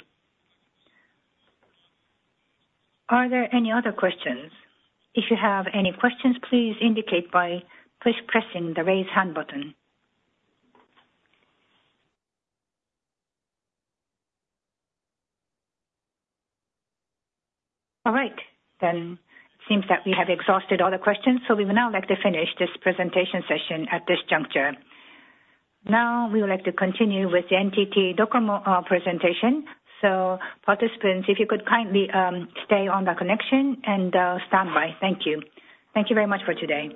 Are there any other questions? If you have any questions, please indicate by pressing the Raise Hand button. All right, then. It seems that we have exhausted all the questions, so we would now like to finish this presentation session at this juncture. Now, we would like to continue with the NTT DOCOMO presentation. So participants, if you could kindly stay on the connection and stand by. Thank you. Thank you very much for today.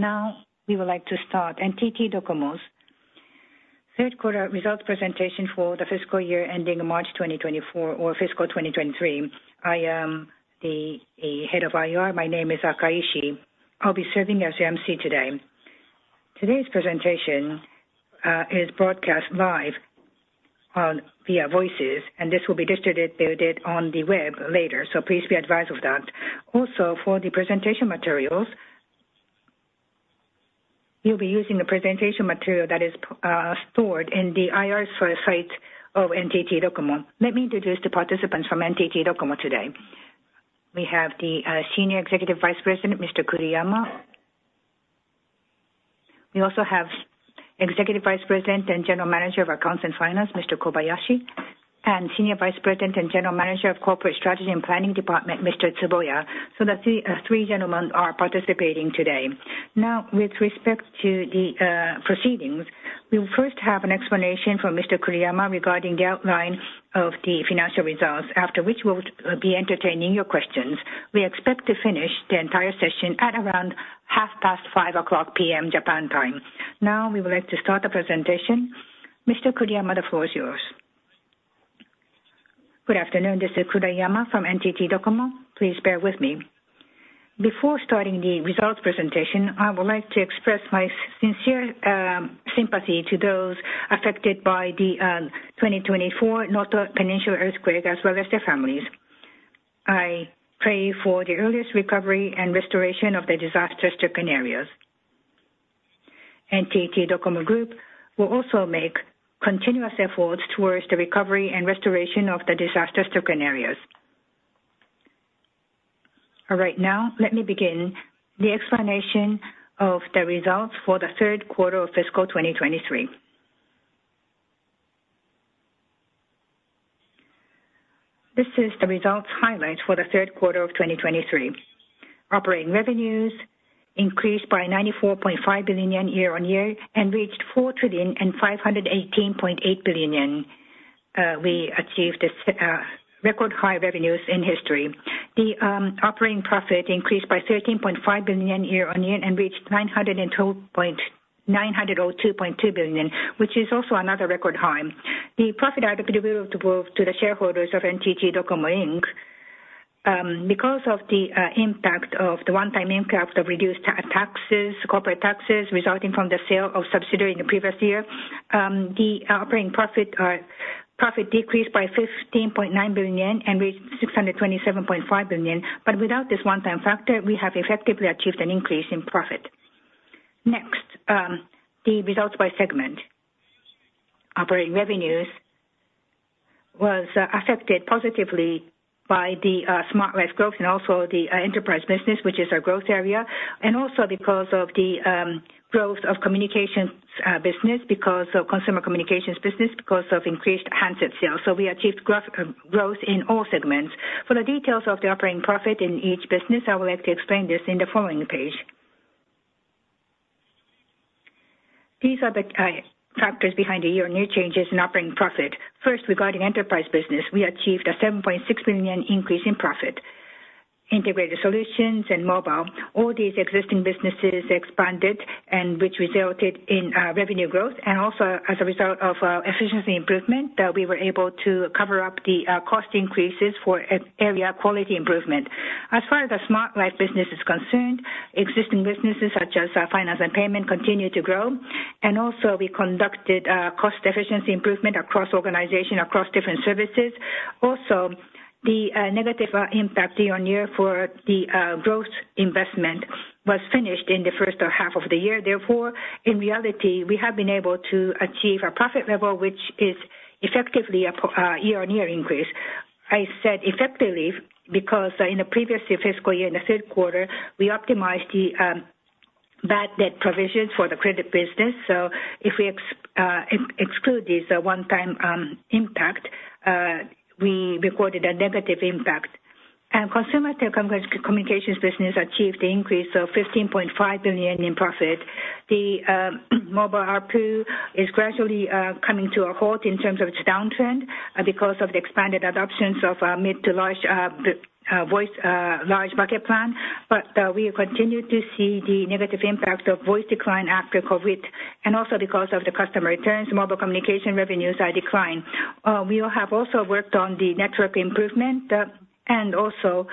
Now, we would like to start NTT DOCOMO's third quarter results presentation for the fiscal year ending March 2024 or fiscal 2023. I am the head of IR. My name is Akaishi. I'll be serving as your MC today. Today's presentation is broadcast live on via voices, and this will be distributed on the web later, so please be advised of that. Also, for the presentation materials, you'll be using the presentation material that is stored in the IR site of NTT DOCOMO. Let me introduce the participants from NTT DOCOMO today. We have the Senior Executive Vice President, Mr. Kuriyama. We also have Executive Vice President and General Manager of Accounts and Finance, Mr. Kobayashi, and Senior Vice President and General Manager of Corporate Strategy and Planning Department, Mr. Tsuboya. So the three gentlemen are participating today. Now, with respect to the proceedings, we'll first have an explanation from Mr. Kuriyama regarding the outline of the financial results, after which we'll be entertaining your questions. We expect to finish the entire session at around 5:30 P.M., Japan time. Now, we would like to start the presentation. Mr. Kuriyama, the floor is yours. Good afternoon, this is Kuriyama from NTT DOCOMO. Please bear with me. Before starting the results presentation, I would like to express my sincere sympathy to those affected by the 2024 Noto Peninsula earthquake, as well as their families. I pray for the earliest recovery and restoration of the disaster-stricken areas. NTT DOCOMO Group will also make continuous efforts towards the recovery and restoration of the disaster-stricken areas. All right, now, let me begin the explanation of the results for the third quarter of fiscal 2023. This is the results highlight for the third quarter of 2023. Operating revenues increased by 94.5 billion yen year-on-year and reached 4,518.8 billion yen. We achieved this record high revenues in history. The operating profit increased by 13.5 billion year-on-year and reached 902.2 billion, which is also another record high. The profit attributable to the shareholders of NTT DOCOMO, Inc., because of the impact of the one-time impact of reduced taxes, corporate taxes, resulting from the sale of subsidiary in the previous year, the operating profit, profit decreased by 15.9 billion yen and reached 627.5 billion. But without this one-time factor, we have effectively achieved an increase in profit. Next, the results by segment. Operating revenues was affected positively by the Smart Life growth and also the enterprise business, which is our growth area, and also because of the growth of communications business, because of consumer communications business, because of increased handset sales. So we achieved strong growth in all segments. For the details of the operating profit in each business, I would like to explain this in the following page. These are the factors behind the year-on-year changes in operating profit. First, regarding enterprise business, we achieved a 7.6 billion increase in profit. Integrated solutions and mobile, all these existing businesses expanded and which resulted in revenue growth, and also as a result of efficiency improvement, that we were able to cover up the cost increases for area quality improvement. As far as the Smart Life business is concerned, existing businesses such as finance and payment continue to grow, and also we conducted cost efficiency improvement across organization, across different services. Also, the negative impact year-on-year for the growth investment was finished in the first half of the year. Therefore, in reality, we have been able to achieve a profit level, which is effectively a year-on-year increase. I said effectively, because in the previous fiscal year, in the third quarter, we optimized the bad debt provisions for the credit business. So if we exclude this one-time impact, we recorded a negative impact. And consumer telecommunications business achieved the increase of 15.5 billion in profit. The mobile ARPU is gradually coming to a halt in terms of its downtrend, because of the expanded adoptions of mid- to large-bucket plan. But we continue to see the negative impact of voice decline after COVID, and also because of the customer returns, mobile communication revenues are declined. We will have also worked on the network improvement, and also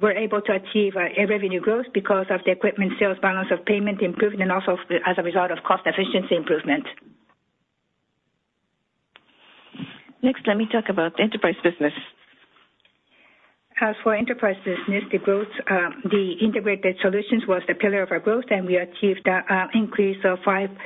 we're able to achieve our ARPU revenue growth because of the equipment sales balance of payment improvement, and also as a result of cost efficiency improvement. Next, let me talk about enterprise business. As for enterprise business, the growth, the integrated solutions was the pillar of our growth, and we achieved an increase of 58%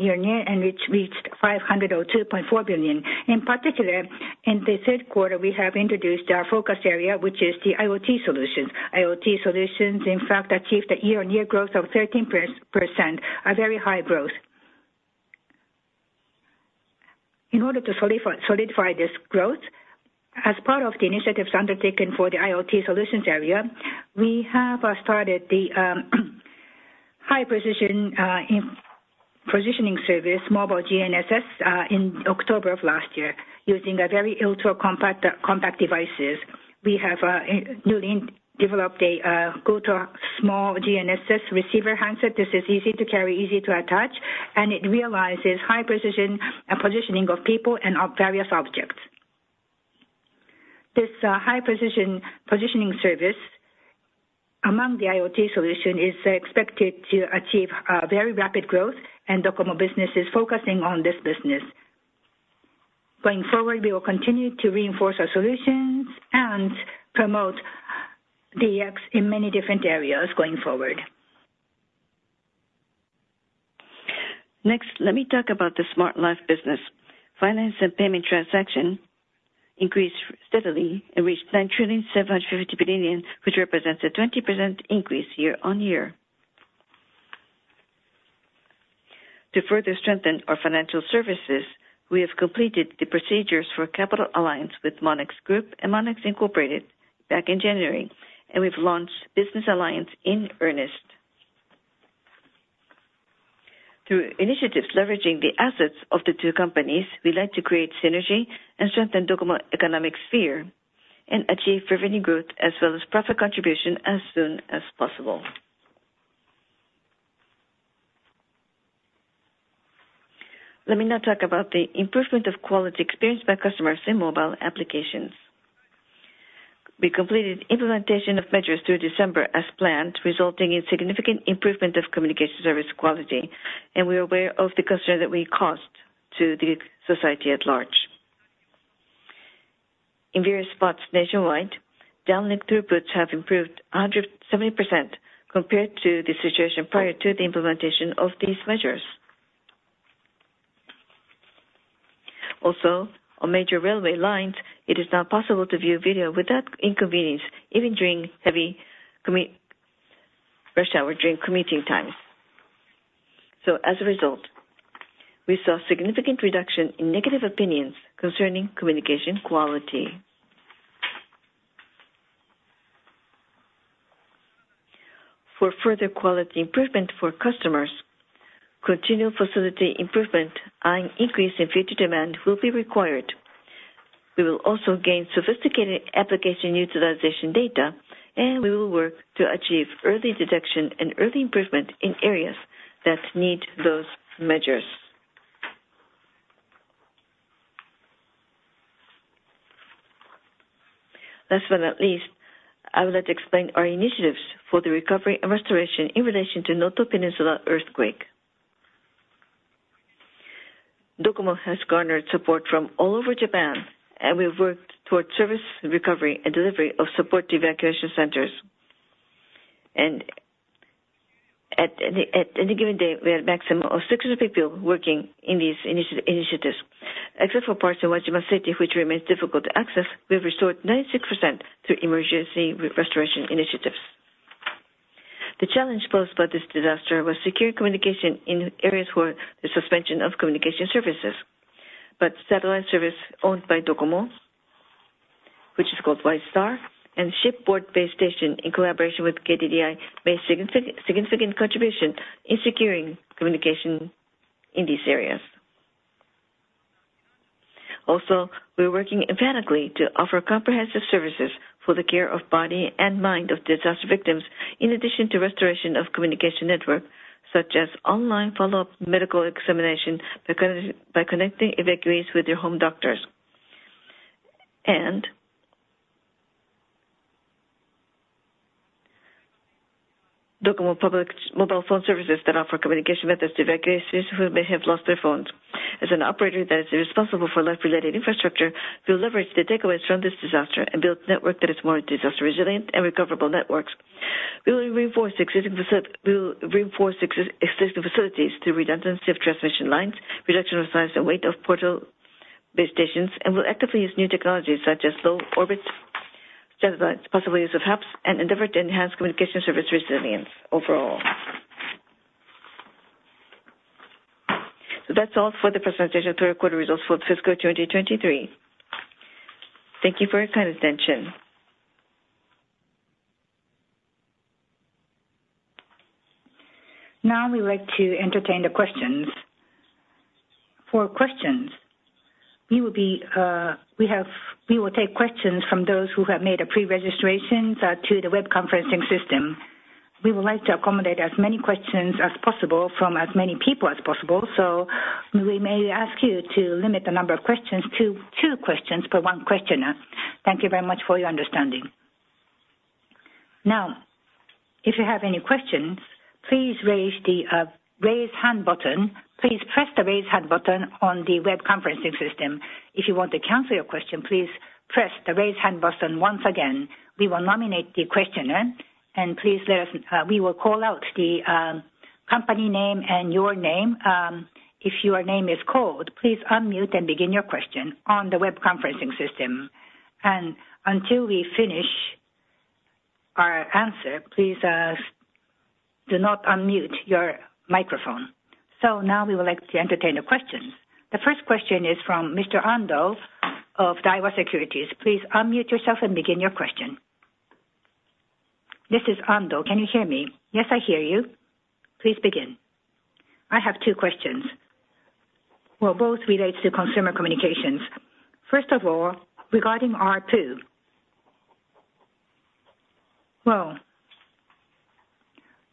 year-on-year, and which reached 502.4 billion. In particular, in the third quarter, we have introduced our focus area, which is the IoT solutions. IoT solutions, in fact, achieved a year-on-year growth of 13%, a very high growth. In order to solidify this growth, as part of the initiatives undertaken for the IoT solutions area, we have started the high precision in positioning service, Mobile GNSS, in October of last year, using a very ultra compact, compact devices. We have newly developed a go to small GNSS receiver handset. This is easy to carry, easy to attach, and it realizes high precision and positioning of people and of various objects. This high precision positioning service among the IoT solution is expected to achieve very rapid growth, and DOCOMO Business is focusing on this business. Going forward, we will continue to reinforce our solutions and promote the DX in many different areas going forward. Next, let me talk about the Smart Life business. Finance and payment transaction increased steadily and reached 9.75 trillion, which represents a 20% increase year-on-year. To further strengthen our financial services, we have completed the procedures for capital alliance with Monex Group and Monex, Inc. back in January, and we've launched business alliance in earnest. Through initiatives leveraging the assets of the two companies, we like to create synergy and strengthen DOCOMO economic sphere and achieve revenue growth as well as profit contribution as soon as possible. Let me now talk about the improvement of quality experienced by customers in mobile applications. We completed implementation of measures through December as planned, resulting in significant improvement of communication service quality, and we are aware of the cost to the society at large. In various spots nationwide, downlink throughputs have improved 170% compared to the situation prior to the implementation of these measures. Also, on major railway lines, it is now possible to view video without inconvenience, even during heavy commute, rush hour during commuting times. As a result, we saw significant reduction in negative opinions concerning communication quality. For further quality improvement for customers, continued facility improvement and increase in future demand will be required. We will also gain sophisticated application utilization data, and we will work to achieve early detection and early improvement in areas that need those measures. Last but not least, I would like to explain our initiatives for the recovery and restoration in relation to Noto Peninsula earthquake. DOCOMO has garnered support from all over Japan, and we've worked towards service recovery and delivery of support to evacuation centers. At any given day, we had a maximum of 600 people working in these initiatives. Except for parts in Wajima City, which remains difficult to access, we've restored 96% through emergency restoration initiatives. The challenge posed by this disaster was secure communication in areas where the suspension of communication services, but satellite service owned by DOCOMO, which is called Widestar II and shipboard base station in collaboration with KDDI, made significant, significant contribution in securing communication in these areas. Also, we are working emphatically to offer comprehensive services for the care of body and mind of disaster victims, in addition to restoration of communication network, such as online follow-up medical examination by connecting evacuees with their home doctors. And DOCOMO public mobile phone services that offer communication methods to evacuees who may have lost their phones. As an operator that is responsible for life-related infrastructure, we will leverage the takeaways from this disaster and build network that is more disaster resilient and recoverable networks. We will reinforce existing facilities through redundancy of transmission lines, reduction of size and weight of portable base stations, and will actively use new technologies such as low orbit, possible use of HAPS, and endeavor to enhance communication service resilience overall. So that's all for the presentation of third quarter results for fiscal 2023. Thank you for your kind attention. Now, we would like to entertain the questions. For questions, we will take questions from those who have made a pre-registration to the web conferencing system. We would like to accommodate as many questions as possible from as many people as possible, so we may ask you to limit the number of questions to two questions per one questioner. Thank you very much for your understanding. Now, if you have any questions, please raise the hand button. Please press the raise hand button on the web conferencing system. If you want to cancel your question, please press the raise hand button once again. We will nominate the questioner, and we will call out the company name and your name. If your name is called, please unmute and begin your question on the web conferencing system. And until we finish our answer, please do not unmute your microphone. So now we would like to entertain the questions. The first question is from Mr. Ando of Daiwa Securities. Please unmute yourself and begin your question. This is Ando. Can you hear me? Yes, I hear you. Please begin. I have two questions. Well, both relates to consumer communications. First of all, regarding ARPU. Well,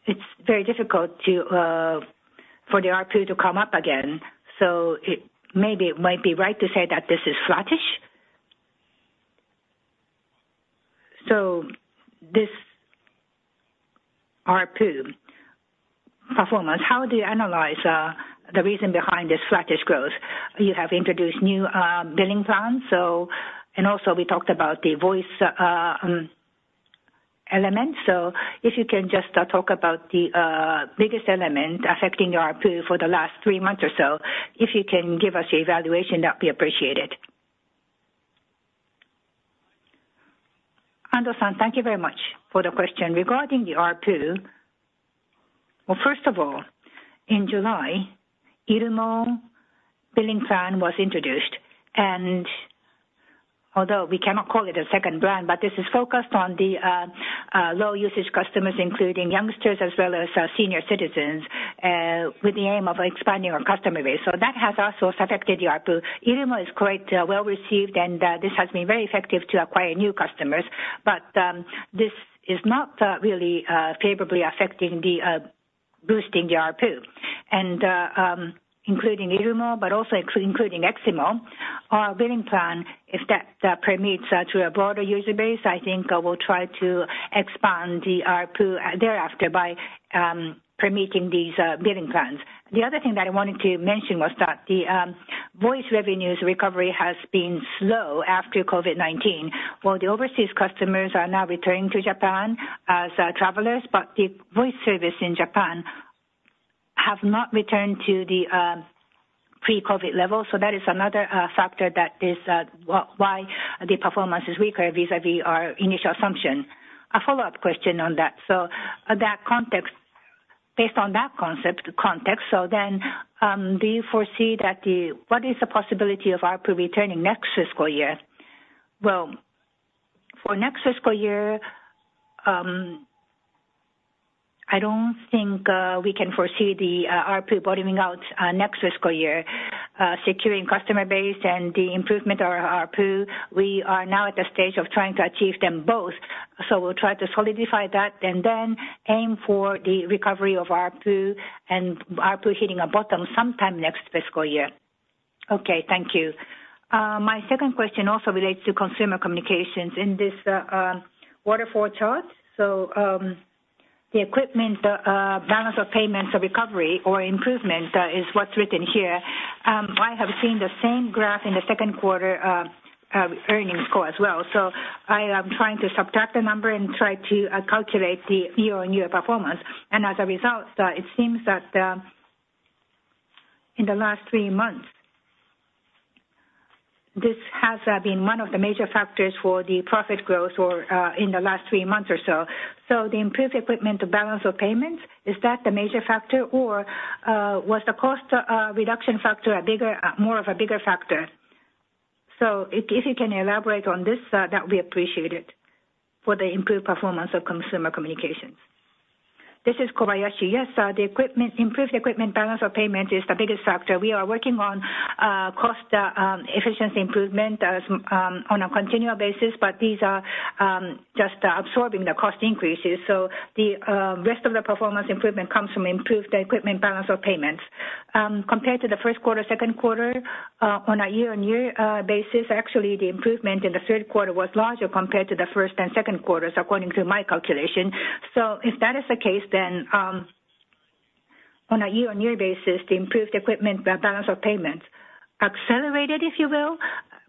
it's very difficult to, for the ARPU to come up again, so it maybe it might be right to say that this is flattish? So this ARPU performance, how do you analyze, the reason behind this flattish growth? You have introduced new, billing plans, so, and also we talked about the voice, element. So if you can just, talk about the, biggest element affecting your ARPU for the last three months or so. If you can give us your evaluation, that'd be appreciated. Ando-san, thank you very much for the question. Regarding the ARPU, well, first of all, in July, irumo billing plan was introduced, and although we cannot call it a second brand, but this is focused on the low usage customers, including youngsters as well as senior citizens with the aim of expanding our customer base. So that has also affected the ARPU. Irumo is quite well received, and this has been very effective to acquire new customers. But this is not really favorably affecting the boosting the ARPU. And including irumo but also including eximo, our billing plan, if that permeates to a broader user base, I think we'll try to expand the ARPU thereafter by permeating these billing plans. The other thing that I wanted to mention was that the voice revenues recovery has been slow after COVID-19. While the overseas customers are now returning to Japan as travelers, but the voice service in Japan have not returned to the pre-COVID level. So that is another factor that is why the performance is weaker vis-a-vis our initial assumption. A follow-up question on that. So that context, based on that concept, context, so then, do you foresee that the-- what is the possibility of ARPU returning next fiscal year? Well, for next fiscal year, I don't think we can foresee the ARPU bottoming out next fiscal year. Securing customer base and the improvement of our ARPU, we are now at the stage of trying to achieve them both. So we'll try to solidify that and then aim for the recovery of ARPU and ARPU hitting a bottom sometime next fiscal year. Okay, thank you. My second question also relates to consumer communications. In this waterfall chart, the equipment balance of payments or recovery or improvement is what's written here. I have seen the same graph in the second quarter earnings call as well. I am trying to subtract the number and try to calculate the year-on-year performance. As a result, it seems that in the last three months, this has been one of the major factors for the profit growth or in the last three months or so. The improved equipment balance of payments, is that the major factor, or was the cost reduction factor a bigger, more of a bigger factor? If you can elaborate on this, that'd be appreciated for the improved performance of consumer communications. This is Kobayashi. Yes, the equipment, improved equipment balance of payment is the biggest factor. We are working on, cost, efficiency improvement, on a continual basis, but these are, just absorbing the cost increases. So the, rest of the performance improvement comes from improved equipment balance of payments. Compared to the first quarter, second quarter, on a year-on-year, basis, actually, the improvement in the third quarter was larger compared to the first and second quarters, according to my calculation. So if that is the case, then, on a year-on-year basis, the improved equipment balance of payments accelerated, if you will,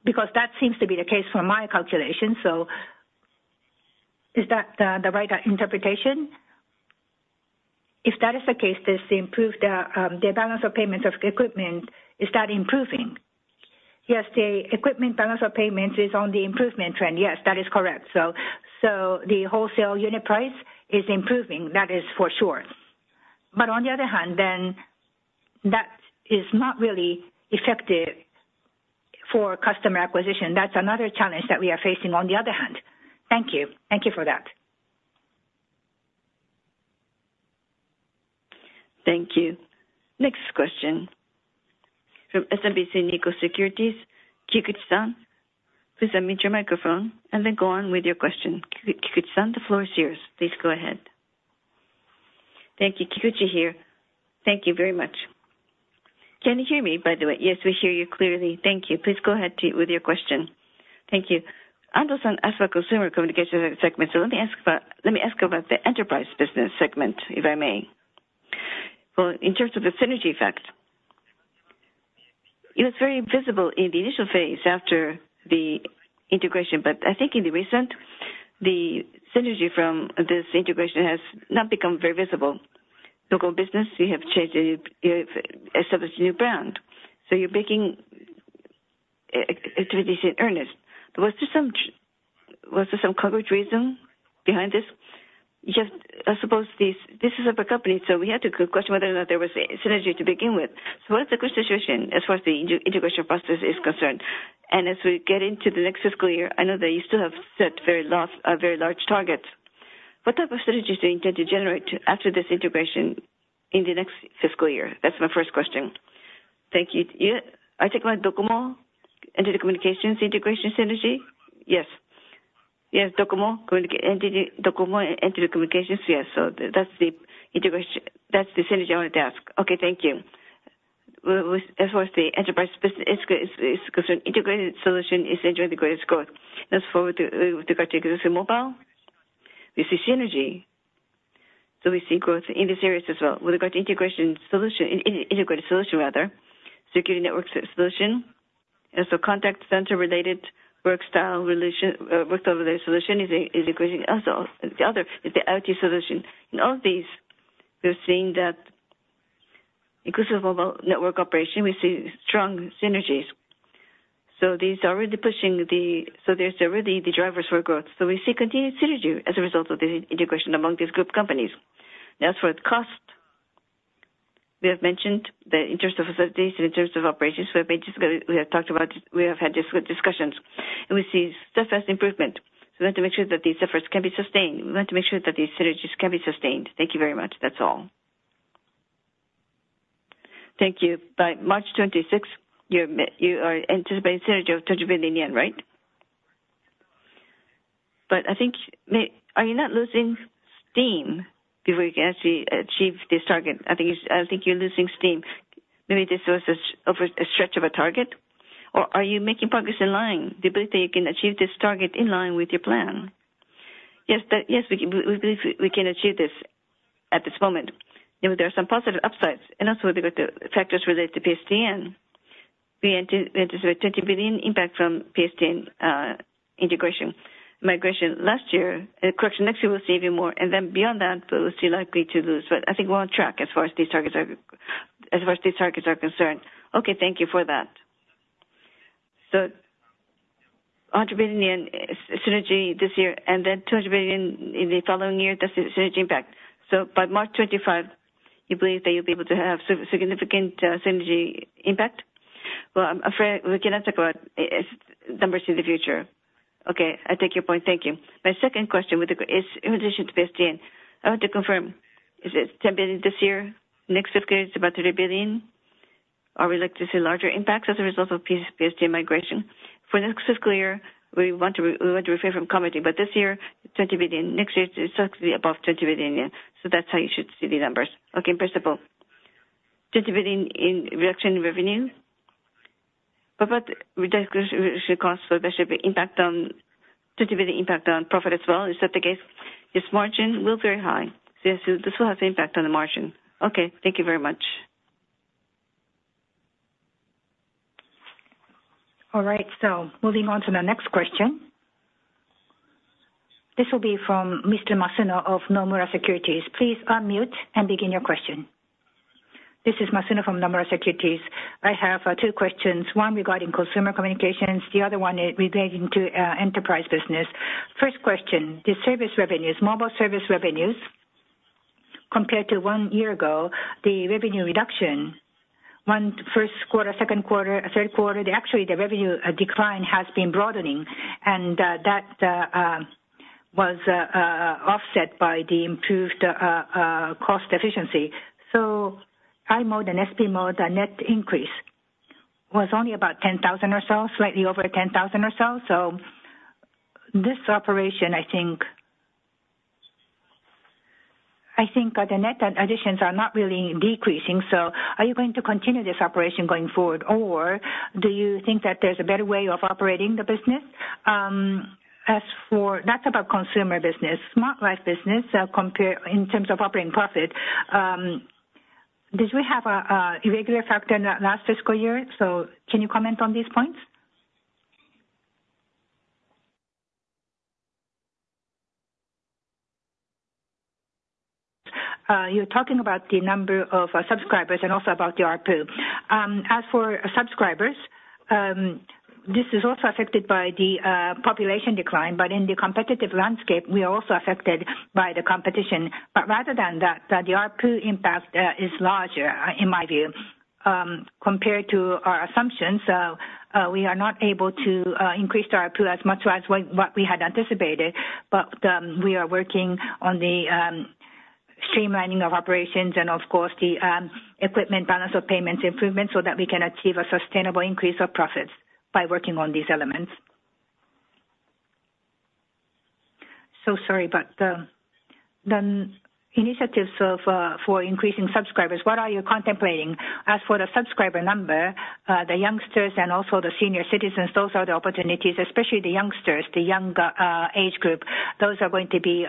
because that seems to be the case from my calculation. So is that, the right interpretation? If that is the case, this improved, the balance of payments of equipment, is that improving? Yes, the equipment balance of payments is on the improvement trend. Yes, that is correct. So, the wholesale unit price is improving, that is for sure. But on the other hand, then that is not really effective for customer acquisition. That's another challenge that we are facing on the other hand. Thank you. Thank you for that.... Thank you. Next question from SMBC Nikko Securities, Kikuchi-san. Please unmute your microphone and then go on with your question. Kikuchi-san, the floor is yours. Please go ahead. Thank you. Kikuchi here. Thank you very much. Can you hear me, by the way? Yes, we hear you clearly. Thank you. Please go ahead with your question. Thank you. Anderson, as for consumer communications segment, so let me ask about the enterprise business segment, if I may. Well, in terms of the synergy effect, it was very visible in the initial phase after the integration, but I think in the recent, the synergy from this integration has not become very visible. Local business, you have changed, established a new brand, so you're making activities in earnest. Was there some coverage reason behind this? Just, I suppose this is upper company, so we had to question whether or not there was a synergy to begin with. So what is the current situation as far as the integration process is concerned? And as we get into the next fiscal year, I know that you still have set very lofty, very large targets. What type of strategies do you intend to generate after this integration in the next fiscal year? That's my first question. Thank you. Yeah, I think about DOCOMO and the NTT Communications integration synergy? Yes. Yes, DOCOMO, NTT Communications, DOCOMO and NTT Communications. Yes. So that's the integration, that's the synergy I wanted to ask. Okay, thank you. With, as far as the enterprise business is concerned, integrated solution is enjoying the greatest growth. As for, with regard to existing mobile, we see synergy, so we see growth in this area as well. With regard to integration solution, integrated solution, rather, security networks solution, and so contact center related work style relation, work style related solution is increasing as well. The other is the IT solution. In all of these, we're seeing that inclusive of all network operation, we see strong synergies. So these are already pushing the, so there's already the drivers for growth. So we see continued synergy as a result of the integration among these group companies. As for the cost, we have mentioned that in terms of facilities and in terms of operations, we have mentioned, we have talked about, we have had discussions, and we see steadfast improvement. We want to make sure that these efforts can be sustained. We want to make sure that these synergies can be sustained. Thank you very much. That's all. Thank you. By March 26, 2026, you are anticipating synergy of 2 trillion, right? But I think maybe you are not losing steam before you can actually achieve this target? I think you are losing steam. Maybe this was a stretch of a target, or are you making progress in line? Do you believe that you can achieve this target in line with your plan? Yes, but yes, we can, we believe we can achieve this at this moment. You know, there are some positive upsides, and also because the factors related to PSTN, we anticipate 20 billion impact from PSTN integration migration last year. Correction, next year, we'll see even more, and then beyond that, we'll still likely to lose, but I think we're on track as far as these targets are, as far as these targets are concerned. Okay, thank you for that. So 100 billion yen synergy this year, and then 200 billion in the following year, that's the synergy impact. So by March 2025, you believe that you'll be able to have significant synergy impact? Well, I'm afraid we cannot talk about numbers in the future. Okay, I take your point. Thank you. My second question with the is in addition to PSTN, I want to confirm, is it 10 billion this year? Next fiscal year, it's about 30 billion, or we'd like to see larger impacts as a result of PSTN migration? For next fiscal year, we want to, we want to refrain from commenting, but this year, 20 billion. Next year, it's actually above 20 billion, so that's how you should see the numbers. Okay, first of all, 20 billion in reduction in revenue, but what reduction costs for there should be impact on, JPY 20 billion impact on profit as well, is that the case? Yes, margin will very high. Yes, this will have an impact on the margin. Okay, thank you very much. All right, so moving on to the next question. This will be from Mr. Masuno of Nomura Securities. Please unmute and begin your question. This is Masuno from Nomura Securities. I have two questions, one regarding consumer communications, the other one is relating to enterprise business. First question, the service revenues, mobile service revenues, compared to one year ago, the revenue reduction, one first quarter, second quarter, third quarter, actually, the revenue decline has been broadening, and that was offset by the improved cost efficiency. So i-mode and SP-mode, the net increase was only about 10,000 or so, slightly over 10,000 or so. So this operation, I think, I think the net additions are not really decreasing, so are you going to continue this operation going forward, or do you think that there's a better way of operating the business? As for that type of consumer business, Smart Life business, compare in terms of operating profit, did we have a irregular factor in the last fiscal year? So can you comment on these points? You're talking about the number of subscribers and also about the ARPU. As for subscribers, this is also affected by the population decline, but in the competitive landscape, we are also affected by the competition. Rather than that, the ARPU impact is larger in my view compared to our assumptions, we are not able to increase our ARPU as much as what we had anticipated. But we are working on the streamlining of operations and, of course, the equipment balance of payments improvement so that we can achieve a sustainable increase of profits by working on these elements. So sorry, but the initiatives for increasing subscribers, what are you contemplating? As for the subscriber number, the youngsters and also the senior citizens, those are the opportunities, especially the youngsters, the young age group. Those are going to be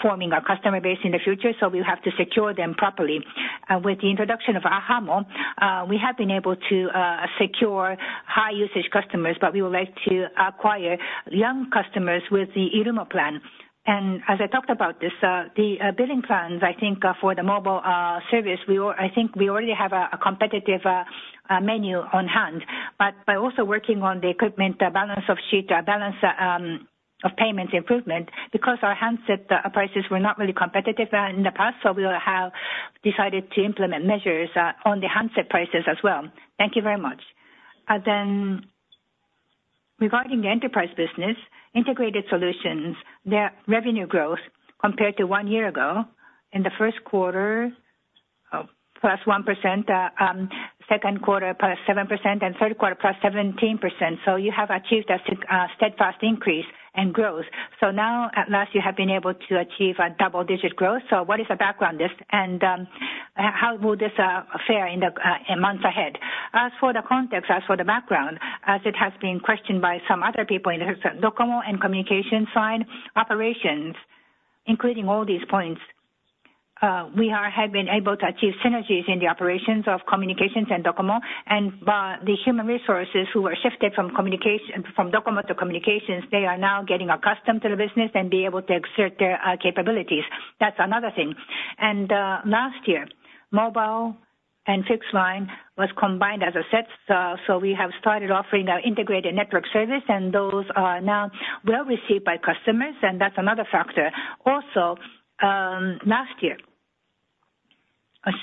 forming our customer base in the future, so we have to secure them properly. With the introduction of ahamo, we have been able to secure high usage customers, but we would like to acquire young customers with the irumo plan. As I talked about this, the billing plans, I think, for the mobile service, we all—I think we already have a competitive menu on hand, but by also working on the equipment, the balance of sheet, balance of payments improvement, because our handset prices were not really competitive in the past, so we will have decided to implement measures on the handset prices as well. Thank you very much. Then regarding the enterprise business, integrated solutions, their revenue growth compared to one year ago in the first quarter, +1%, second quarter, +7%, and third quarter, +17%. So you have achieved a steadfast increase in growth. So now at last, you have been able to achieve a double-digit growth. So what is the background this, and, how will this, fare in the, in months ahead? As for the context, as for the background, as it has been questioned by some other people, in the DOCOMO and Communications side, operations, including all these points, we are, have been able to achieve synergies in the operations of Communications and DOCOMO, and by the human resources who were shifted from Communications, from DOCOMO to Communications, they are now getting accustomed to the business and be able to exert their, capabilities. That's another thing. And, last year, mobile and fixed line was combined as a set. So we have started offering our integrated network service, and those are now well received by customers, and that's another factor. Also, last year,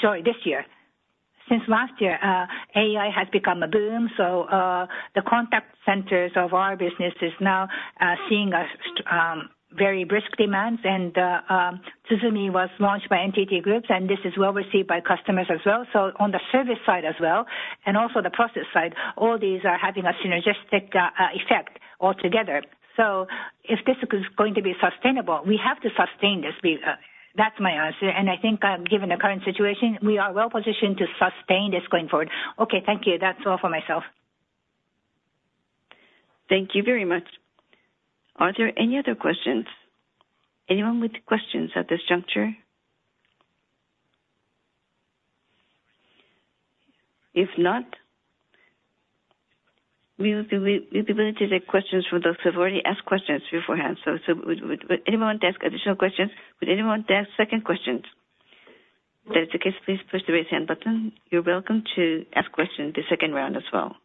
sorry, this year. Since last year, AI has become a boom, so the contact centers of our business is now seeing a very brisk demand. And tsuzumi was launched by NTT Group, and this is well received by customers as well. So on the service side as well, and also the process side, all these are having a synergistic effect altogether. So if this is going to be sustainable, we have to sustain this. That's my answer, and I think, given the current situation, we are well positioned to sustain this going forward. Okay, thank you. That's all for myself. Thank you very much. Are there any other questions? Anyone with questions at this juncture? If not, we will have the ability to take questions from those who have already asked questions beforehand. So would anyone ask additional questions? Would anyone ask second questions? If that's the case, please push the Raise Hand button. You're welcome to ask questions the second round as well.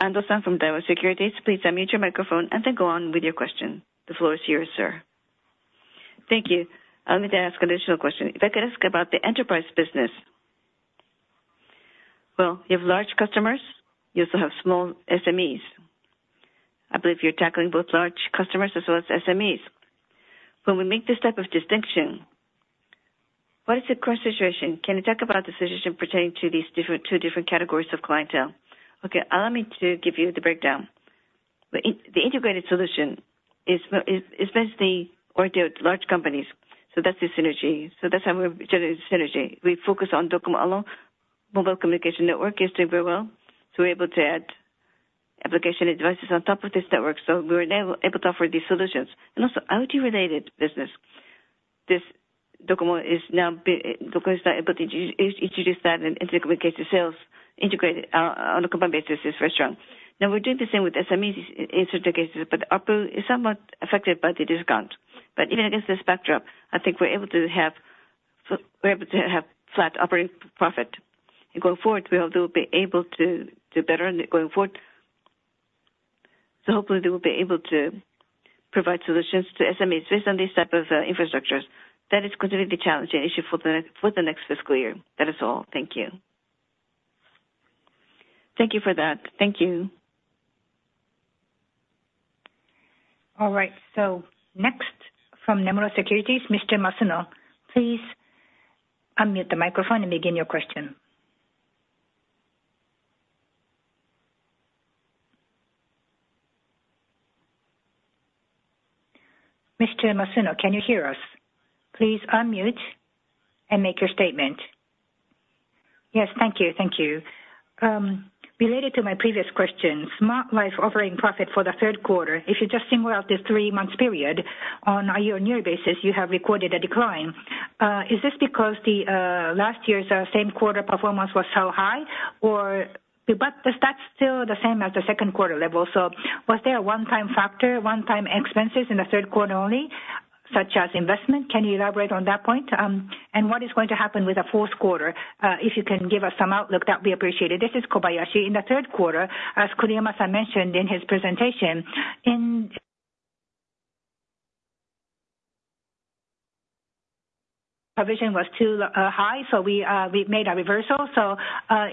Ando from Daiwa Securities, please unmute your microphone and then go on with your question. The floor is yours, sir. Thank you. I would like to ask additional question. If I could ask about the enterprise business. Well, you have large customers, you also have small SMEs. I believe you're tackling both large customers as well as SMEs. When we make this type of distinction, what is the current situation? Can you talk about the situation pertaining to these different, two different categories of clientele? Okay, allow me to give you the breakdown. The integrated solution is basically oriented large companies, so that's the synergy. So that's how we're generating synergy. We focus on DOCOMO alone. Mobile communication network is doing very well, so we're able to add application and devices on top of this network, so we were now able to offer these solutions. And also, LG-related business. This DOCOMO is now able to introduce that into the communication sales, integrated on a combined basis is very strong. Now, we're doing the same with SMEs in certain cases, but ARPU is somewhat affected by the discount. But even against this backdrop, I think we're able to have flat operating profit. And going forward, we will be able to do better going forward. So hopefully, they will be able to provide solutions to SMEs based on these type of infrastructures. That is considered a challenging issue for the next fiscal year. That is all. Thank you. Thank you for that. Thank you. All right, so next from Nomura Securities, Mr. Masuno, please unmute the microphone and begin your question. Mr. Masuno, can you hear us? Please unmute and make your statement. Yes, thank you. Thank you. Related to my previous question, Smart Life operating profit for the third quarter. If you just think about the three-month period, on a year-on-year basis, you have recorded a decline. Is this because the last year's same quarter performance was so high, or but the stat's still the same as the second quarter level, so was there a one-time factor, one-time expenses in the third quarter only?... such as investment. Can you elaborate on that point? And what is going to happen with the fourth quarter? If you can give us some outlook, that'd be appreciated. This is Kobayashi. In the third quarter, as Kuriyama-san mentioned in his presentation, in provision was too high, so we made a reversal. So,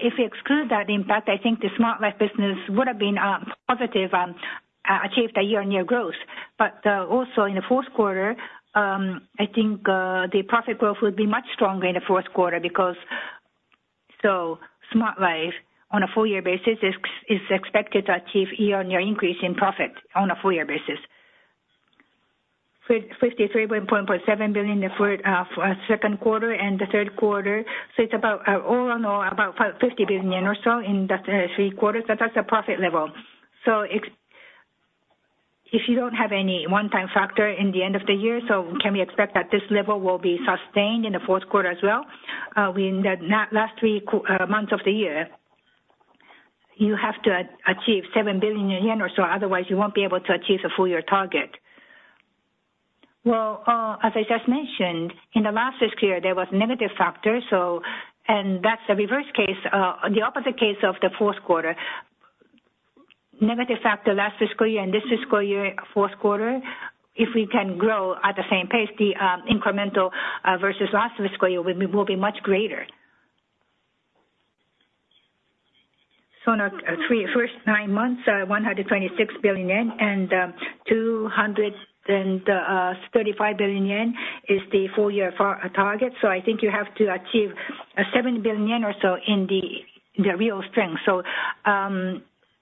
if we exclude that impact, I think the Smart Life business would have been positive, achieved a year-on-year growth. But, also in the fourth quarter, I think the profit growth will be much stronger in the fourth quarter because so Smart Life, on a full year basis, is expected to achieve year-on-year increase in profit on a full year basis. 53.7 billion for second quarter and the third quarter. So it's about, all in all, about 50 billion or so in the three quarters, but that's a profit level. So if you don't have any one-time factor in the end of the year, so can we expect that this level will be sustained in the fourth quarter as well? We in the last three months of the year, you have to achieve 7 billion yen or so, otherwise you won't be able to achieve the full year target. Well, as I just mentioned, in the last fiscal year, there was negative factors, so... And that's the reverse case, the opposite case of the fourth quarter. Negative factor, last fiscal year and this fiscal year, fourth quarter, if we can grow at the same pace, the, incremental, versus last fiscal year will be, will be much greater. So on a 3Q first nine months, 126 billion yen, and 235 billion yen is the full-year FY target. So I think you have to achieve a 70 billion yen or so in the remaining.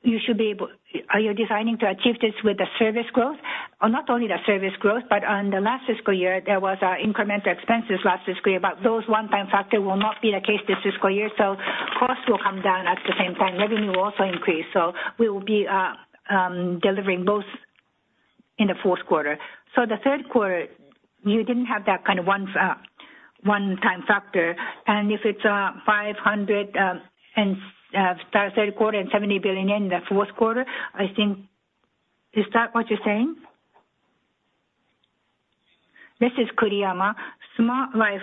So you should be able—Are you planning to achieve this with the service growth? Not only the service growth, but on the last fiscal year, there was incremental expenses last fiscal year, but those one-time factors will not be the case this fiscal year. So costs will come down at the same time. Revenue will also increase, so we will be delivering both in the fourth quarter. So the third quarter, you didn't have that kind of one-time factor. And if it's 500 and third quarter and 70 billion yen in the fourth quarter, I think, is that what you're saying? This is Kuriyama. Smart Life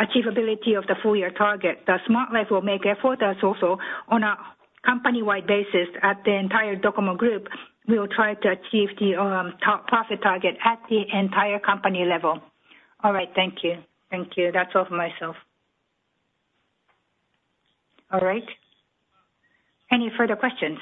achievability of the full year target. The Smart Life will make efforts also on a company-wide basis at the entire DOCOMO Group. We will try to achieve the top profit target at the entire company level. All right. Thank you. Thank you. That's all for myself. All right. Any further questions?